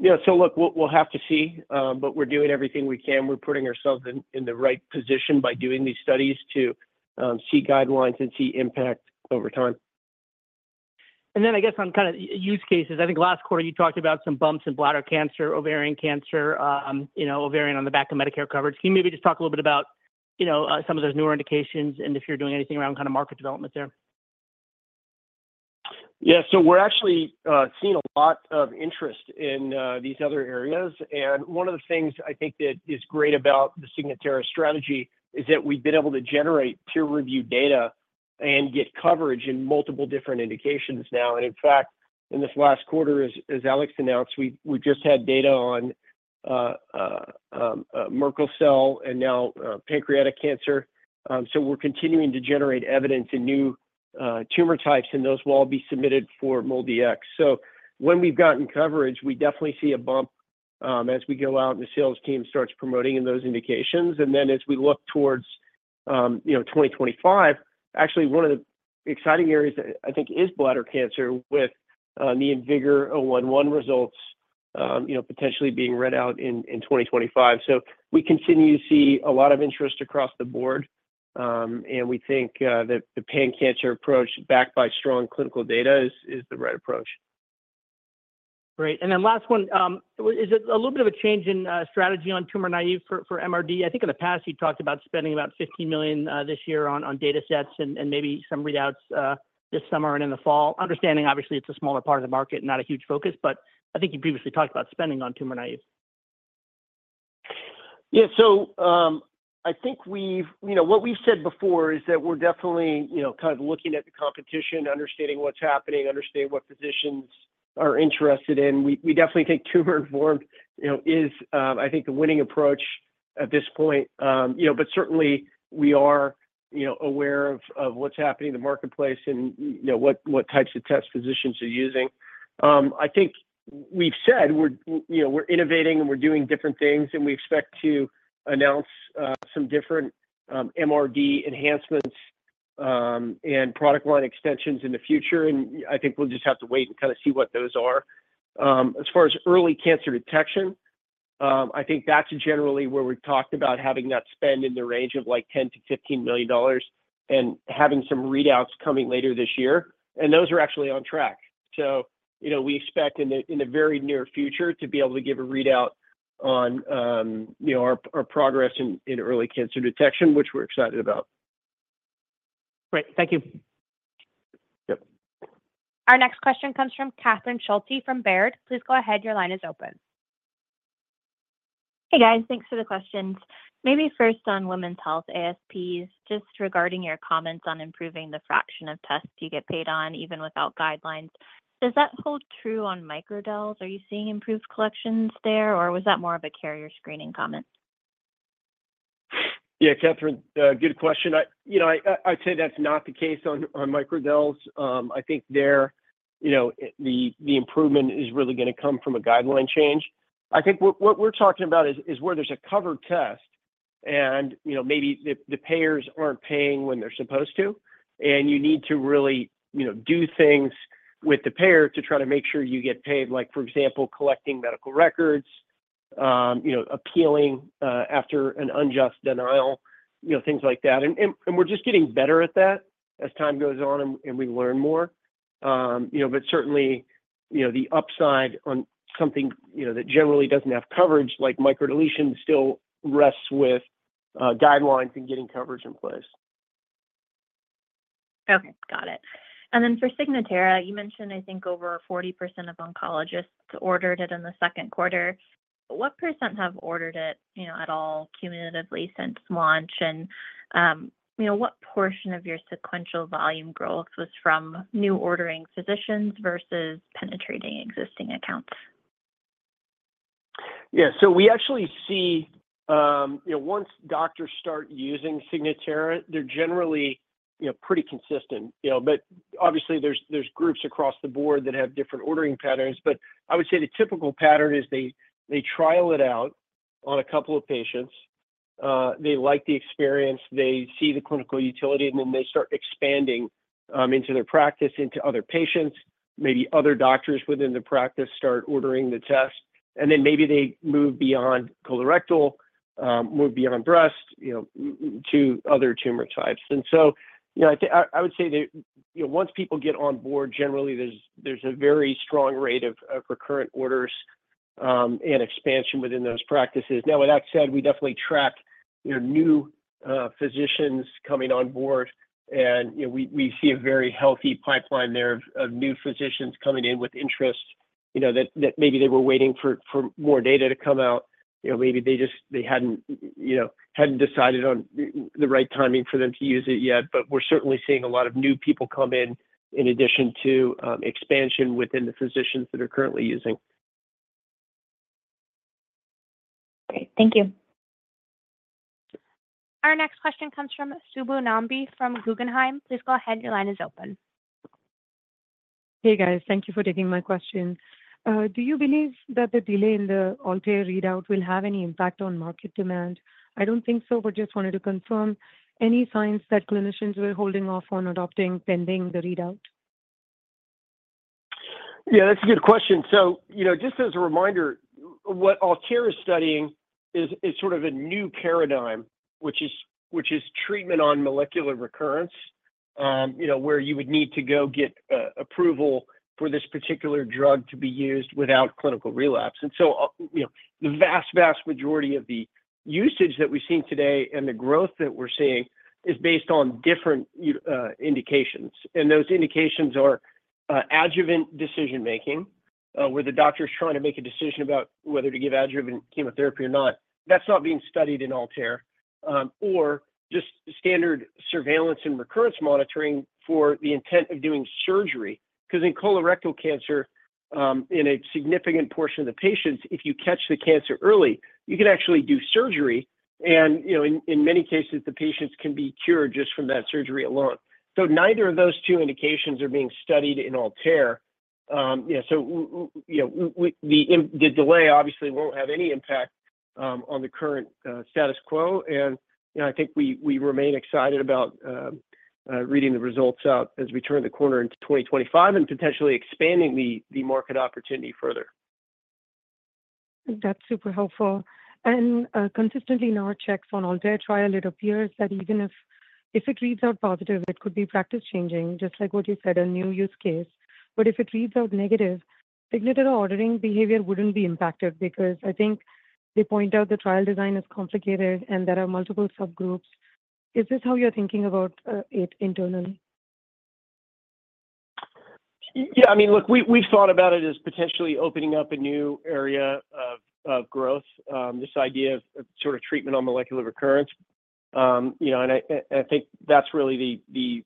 Yeah, so look, we'll have to see, but we're doing everything we can. We're putting ourselves in the right position by doing these studies to see guidelines and see impact over time. Then I guess on kind of use cases, I think last quarter you talked about some bumps in bladder cancer, ovarian cancer, you know, ovarian on the back of Medicare coverage. Can you maybe just talk a little bit about, you know, some of those newer indications and if you're doing anything around kind of market development there? Yeah. So we're actually seeing a lot of interest in these other areas. And one of the things I think that is great about the Signatera strategy is that we've been able to generate peer-reviewed data and get coverage in multiple different indications now. And in fact, in this last quarter, as Alex announced, we just had data on Merkel cell and now pancreatic cancer. So we're continuing to generate evidence in new tumor types, and those will all be submitted for Medicare. So when we've gotten coverage, we definitely see a bump as we go out and the sales team starts promoting in those indications. And then as we look towards, you know, 2025, actually one of the exciting areas I think is bladder cancer, with, the IMvigor011 results, you know, potentially being read out in 2025. So we continue to see a lot of interest across the board, and we think, that the pan-cancer approach, backed by strong clinical data, is the right approach. Great. And then last one, is it a little bit of a change in strategy on tumor-naive for MRD? I think in the past, you talked about spending about $15 million this year on datasets and maybe some readouts this summer and in the fall. Understanding, obviously, it's a smaller part of the market, not a huge focus, but I think you previously talked about spending on tumor-naive. Yeah. So, I think we've—you know, what we've said before is that we're definitely, you know, kind of looking at the competition, understanding what's happening, understanding what physicians are interested in. We definitely think tumor-informed, you know, is, I think the winning approach at this point. You know, but certainly we are, you know, aware of what's happening in the marketplace and, you know, what types of test physicians are using. I think we've said we're, you know, we're innovating, and we're doing different things, and we expect to announce some different MRD enhancements and product line extensions in the future, and I think we'll just have to wait and kind of see what those are. As far as early cancer detection, I think that's generally where we talked about having that spend in the range of, like, $10-$15 million and having some readouts coming later this year, and those are actually on track. So, you know, we expect in the, in the very near future to be able to give a readout on, you know, our, our progress in, in early cancer detection, which we're excited about. Great. Thank you. Yep. Our next question comes from Catherine Schulte from Baird. Please go ahead. Your line is open. Hey, guys. Thanks for the questions. Maybe first on women's health ASPs, just regarding your comments on improving the fraction of tests you get paid on, even without guidelines, does that hold true on microdels? Are you seeing improved collections there, or was that more of a carrier screening comment? Yeah, Catherine, good question. I, you know, I'd say that's not the case on microdels. I think there, you know, the improvement is really gonna come from a guideline change. I think what we're talking about is where there's a covered test, and, you know, maybe the payers aren't paying when they're supposed to, and you need to really, you know, do things with the payer to try to make sure you get paid, like, for example, collecting medical records, you know, appealing after an unjust denial, you know, things like that. And we're just getting better at that as time goes on and we learn more. You know, but certainly, you know, the upside on something, you know, that generally doesn't have coverage, like microdeletion, still rests with guidelines and getting coverage in place. Okay. Got it. Then for Signatera, you mentioned, I think, over 40% of oncologists ordered it in the second quarter. What percent have ordered it, you know, at all, cumulatively since launch? And, you know, what portion of your sequential volume growth was from new ordering physicians versus penetrating existing accounts? Yeah. So we actually see, you know, once doctors start using Signatera, they're generally, you know, pretty consistent. You know, but obviously there's groups across the board that have different ordering patterns. But I would say the typical pattern is they trial it out on a couple of patients, they like the experience, they see the clinical utility, and then they start expanding into their practice, into other patients. Maybe other doctors within the practice start ordering the test, and then maybe they move beyond colorectal, move beyond breast, you know, to other tumor types. And so, you know, I would say that, you know, once people get on board, generally, there's a very strong rate of recurrent orders and expansion within those practices. Now, with that said, we definitely track, you know, new physicians coming on board, and, you know, we, we see a very healthy pipeline there of, of new physicians coming in with interest—you know, that, that maybe they were waiting for, for more data to come out. You know, maybe they just, they hadn't, you know, hadn't decided on the, the right timing for them to use it yet. But we're certainly seeing a lot of new people come in, in addition to, expansion within the physicians that are currently using. Great. Thank you. Our next question comes from Subbu Nambi from Guggenheim. Please go ahead. Your line is open. Hey, guys. Thank you for taking my question. Do you believe that the delay in the ALTAIR readout will have any impact on market demand? I don't think so, but just wanted to confirm any signs that clinicians were holding off on adopting, pending the readout. Yeah, that's a good question. So, you know, just as a reminder, what ALTAIR is studying is, is sort of a new paradigm, which is, which is treatment on molecular recurrence. You know, where you would need to go get approval for this particular drug to be used without clinical relapse. And so, you know, the vast, vast majority of the usage that we've seen today and the growth that we're seeing is based on different indications. And those indications are adjuvant decision making, where the doctor's trying to make a decision about whether to give adjuvant chemotherapy or not. That's not being studied in ALTAIR. Or just standard surveillance and recurrence monitoring for the intent of doing surgery. Because in colorectal cancer, in a significant portion of the patients, if you catch the cancer early, you can actually do surgery and, you know, in, in many cases, the patients can be cured just from that surgery alone. So neither of those two indications are being studied in ALTAIR. Yeah, so you know, the delay obviously won't have any impact on the current status quo. And, you know, I think we remain excited about reading the results out as we turn the corner into 2025 and potentially expanding the market opportunity further. That's super helpful. And, consistently in our checks on ALTAIR trial, it appears that even if, if it reads out positive, it could be practice-changing, just like what you said, a new use case. But if it reads out negative, Signatera ordering behavior wouldn't be impacted because I think they point out the trial design is complicated and there are multiple subgroups. Is this how you're thinking about it internally? Yeah, I mean, look, we, we've thought about it as potentially opening up a new area of growth, this idea of sort of treatment on molecular recurrence. You know, and I, and I think that's really the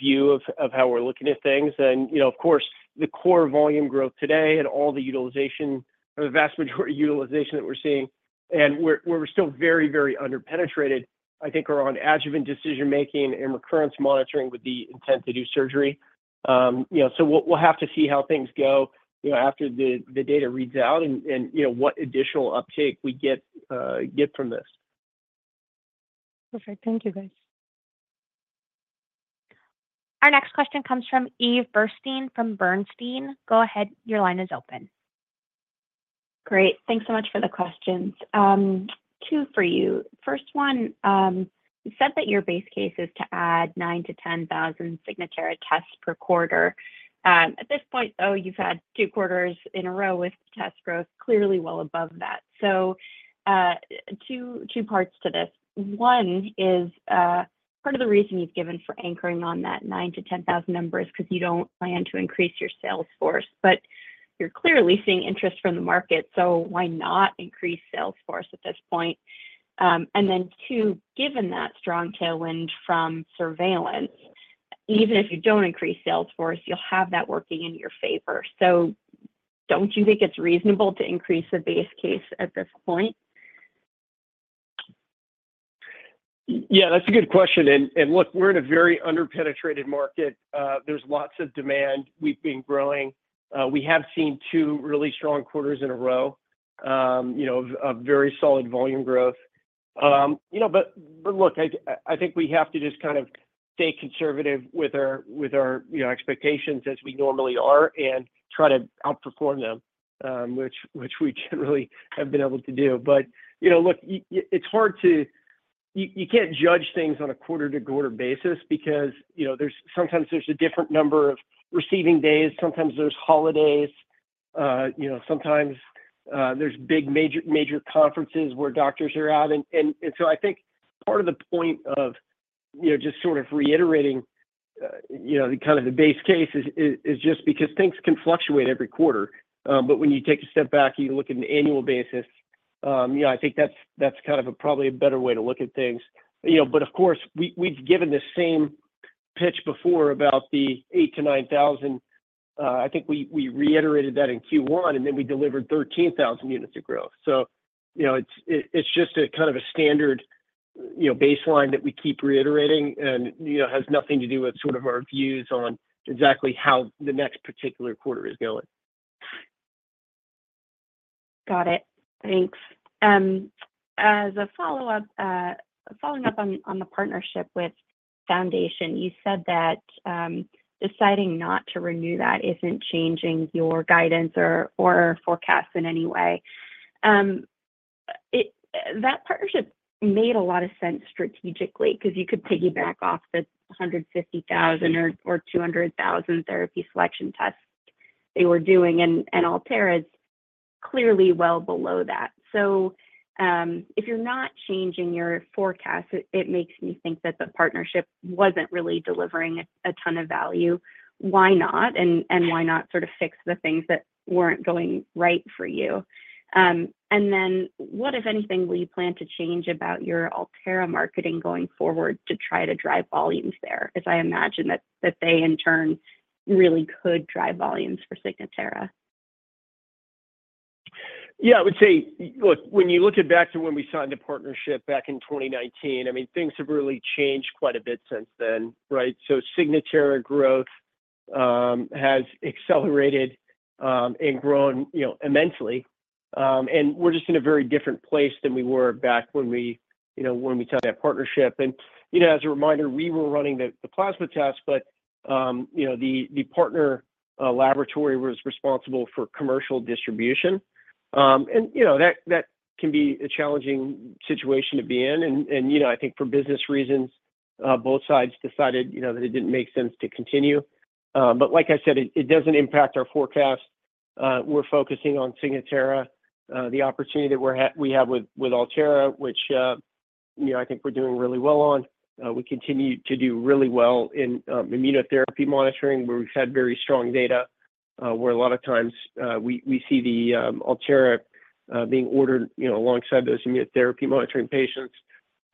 view of how we're looking at things. And, you know, of course, the core volume growth today and all the utilization, or the vast majority utilization that we're seeing, and we're still very, very under-penetrated, I think, around adjuvant decision making and recurrence monitoring with the intent to do surgery. You know, so we'll have to see how things go, you know, after the data reads out and, you know, what additional uptake we get from this. Perfect. Thank you, guys. Our next question comes from Eve Burstein from Bernstein. Go ahead. Your line is open. Great. Thanks so much for the questions. Two for you. First one, you said that your base case is to add 9,000-10,000 Signatera tests per quarter. At this point, though, you've had 2 quarters in a row with test growth clearly well above that. So, two parts to this. One is, part of the reason you've given for anchoring on that 9,000-10,000 number is 'cause you don't plan to increase your sales force, but you're clearly seeing interest from the market, so why not increase sales force at this point? And then two, given that strong tailwind from surveillance, even if you don't increase sales force, you'll have that working in your favor. So don't you think it's reasonable to increase the base case at this point? Yeah, that's a good question. And look, we're in a very under-penetrated market. There's lots of demand. We've been growing. We have seen two really strong quarters in a row, you know, of very solid volume growth. You know, but look, I think we have to just kind of stay conservative with our expectations as we normally are and try to outperform them, which we generally have been able to do. But you know, look, it's hard to—you can't judge things on a quarter-to-quarter basis because, you know, there's sometimes a different number of receiving days, sometimes there's holidays, you know, sometimes there's big major conferences where doctors are out. So I think part of the point of, you know, just sort of reiterating, you know, the kind of the base case is just because things can fluctuate every quarter. But when you take a step back and you look at an annual basis, you know, I think that's kind of a probably a better way to look at things. You know, but of course, we've given the same pitch before about the 8,000-9,000. I think we reiterated that in Q1, and then we delivered 13,000 units of growth. So you know, it's just a kind of a standard, you know, baseline that we keep reiterating and, you know, has nothing to do with sort of our views on exactly how the next particular quarter is going. Got it. Thanks. As a follow-up, following up on the partnership with Foundation, you said that deciding not to renew that isn't changing your guidance or forecast in any way. That partnership made a lot of sense strategically because you could piggyback off the 150,000 or 200,000 therapy selection tests they were doing, and Altera is clearly well below that. So, if you're not changing your forecast, it makes me think that the partnership wasn't really delivering a ton of value. Why not? And why not sort of fix the things that weren't going right for you? And then what, if anything, will you plan to change about your Altera marketing going forward to try to drive volumes there? Because I imagine that they in turn really could drive volumes for Signatera. Yeah, I would say, look, when you look back to when we signed the partnership back in 2019, I mean, things have really changed quite a bit since then, right? So Signatera growth has accelerated and grown, you know, immensely. And we're just in a very different place than we were back when we, you know, when we signed that partnership. And, you know, as a reminder, we were running the plasma test, but, you know, the partner laboratory was responsible for commercial distribution. And, you know, I think for business reasons, both sides decided, you know, that it didn't make sense to continue. But like I said, it doesn't impact our forecast. We're focusing on Signatera, the opportunity that we have with Altera, which, you know, I think we're doing really well on. We continue to do really well in immunotherapy monitoring, where we've had very strong data, where a lot of times we see the Altera being ordered, you know, alongside those immunotherapy monitoring patients.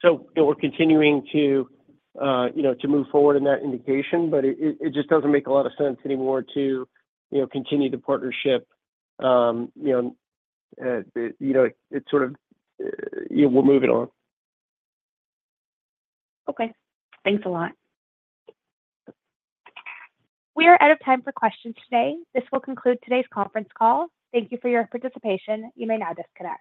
So, you know, we're continuing to, you know, to move forward in that indication, but it just doesn't make a lot of sense anymore to, you know, continue the partnership. You know, you know, it sort of, you know, we're moving on. Okay. Thanks a lot. We are out of time for questions today. This will conclude today's conference call. Thank you for your participation. You may now disconnect.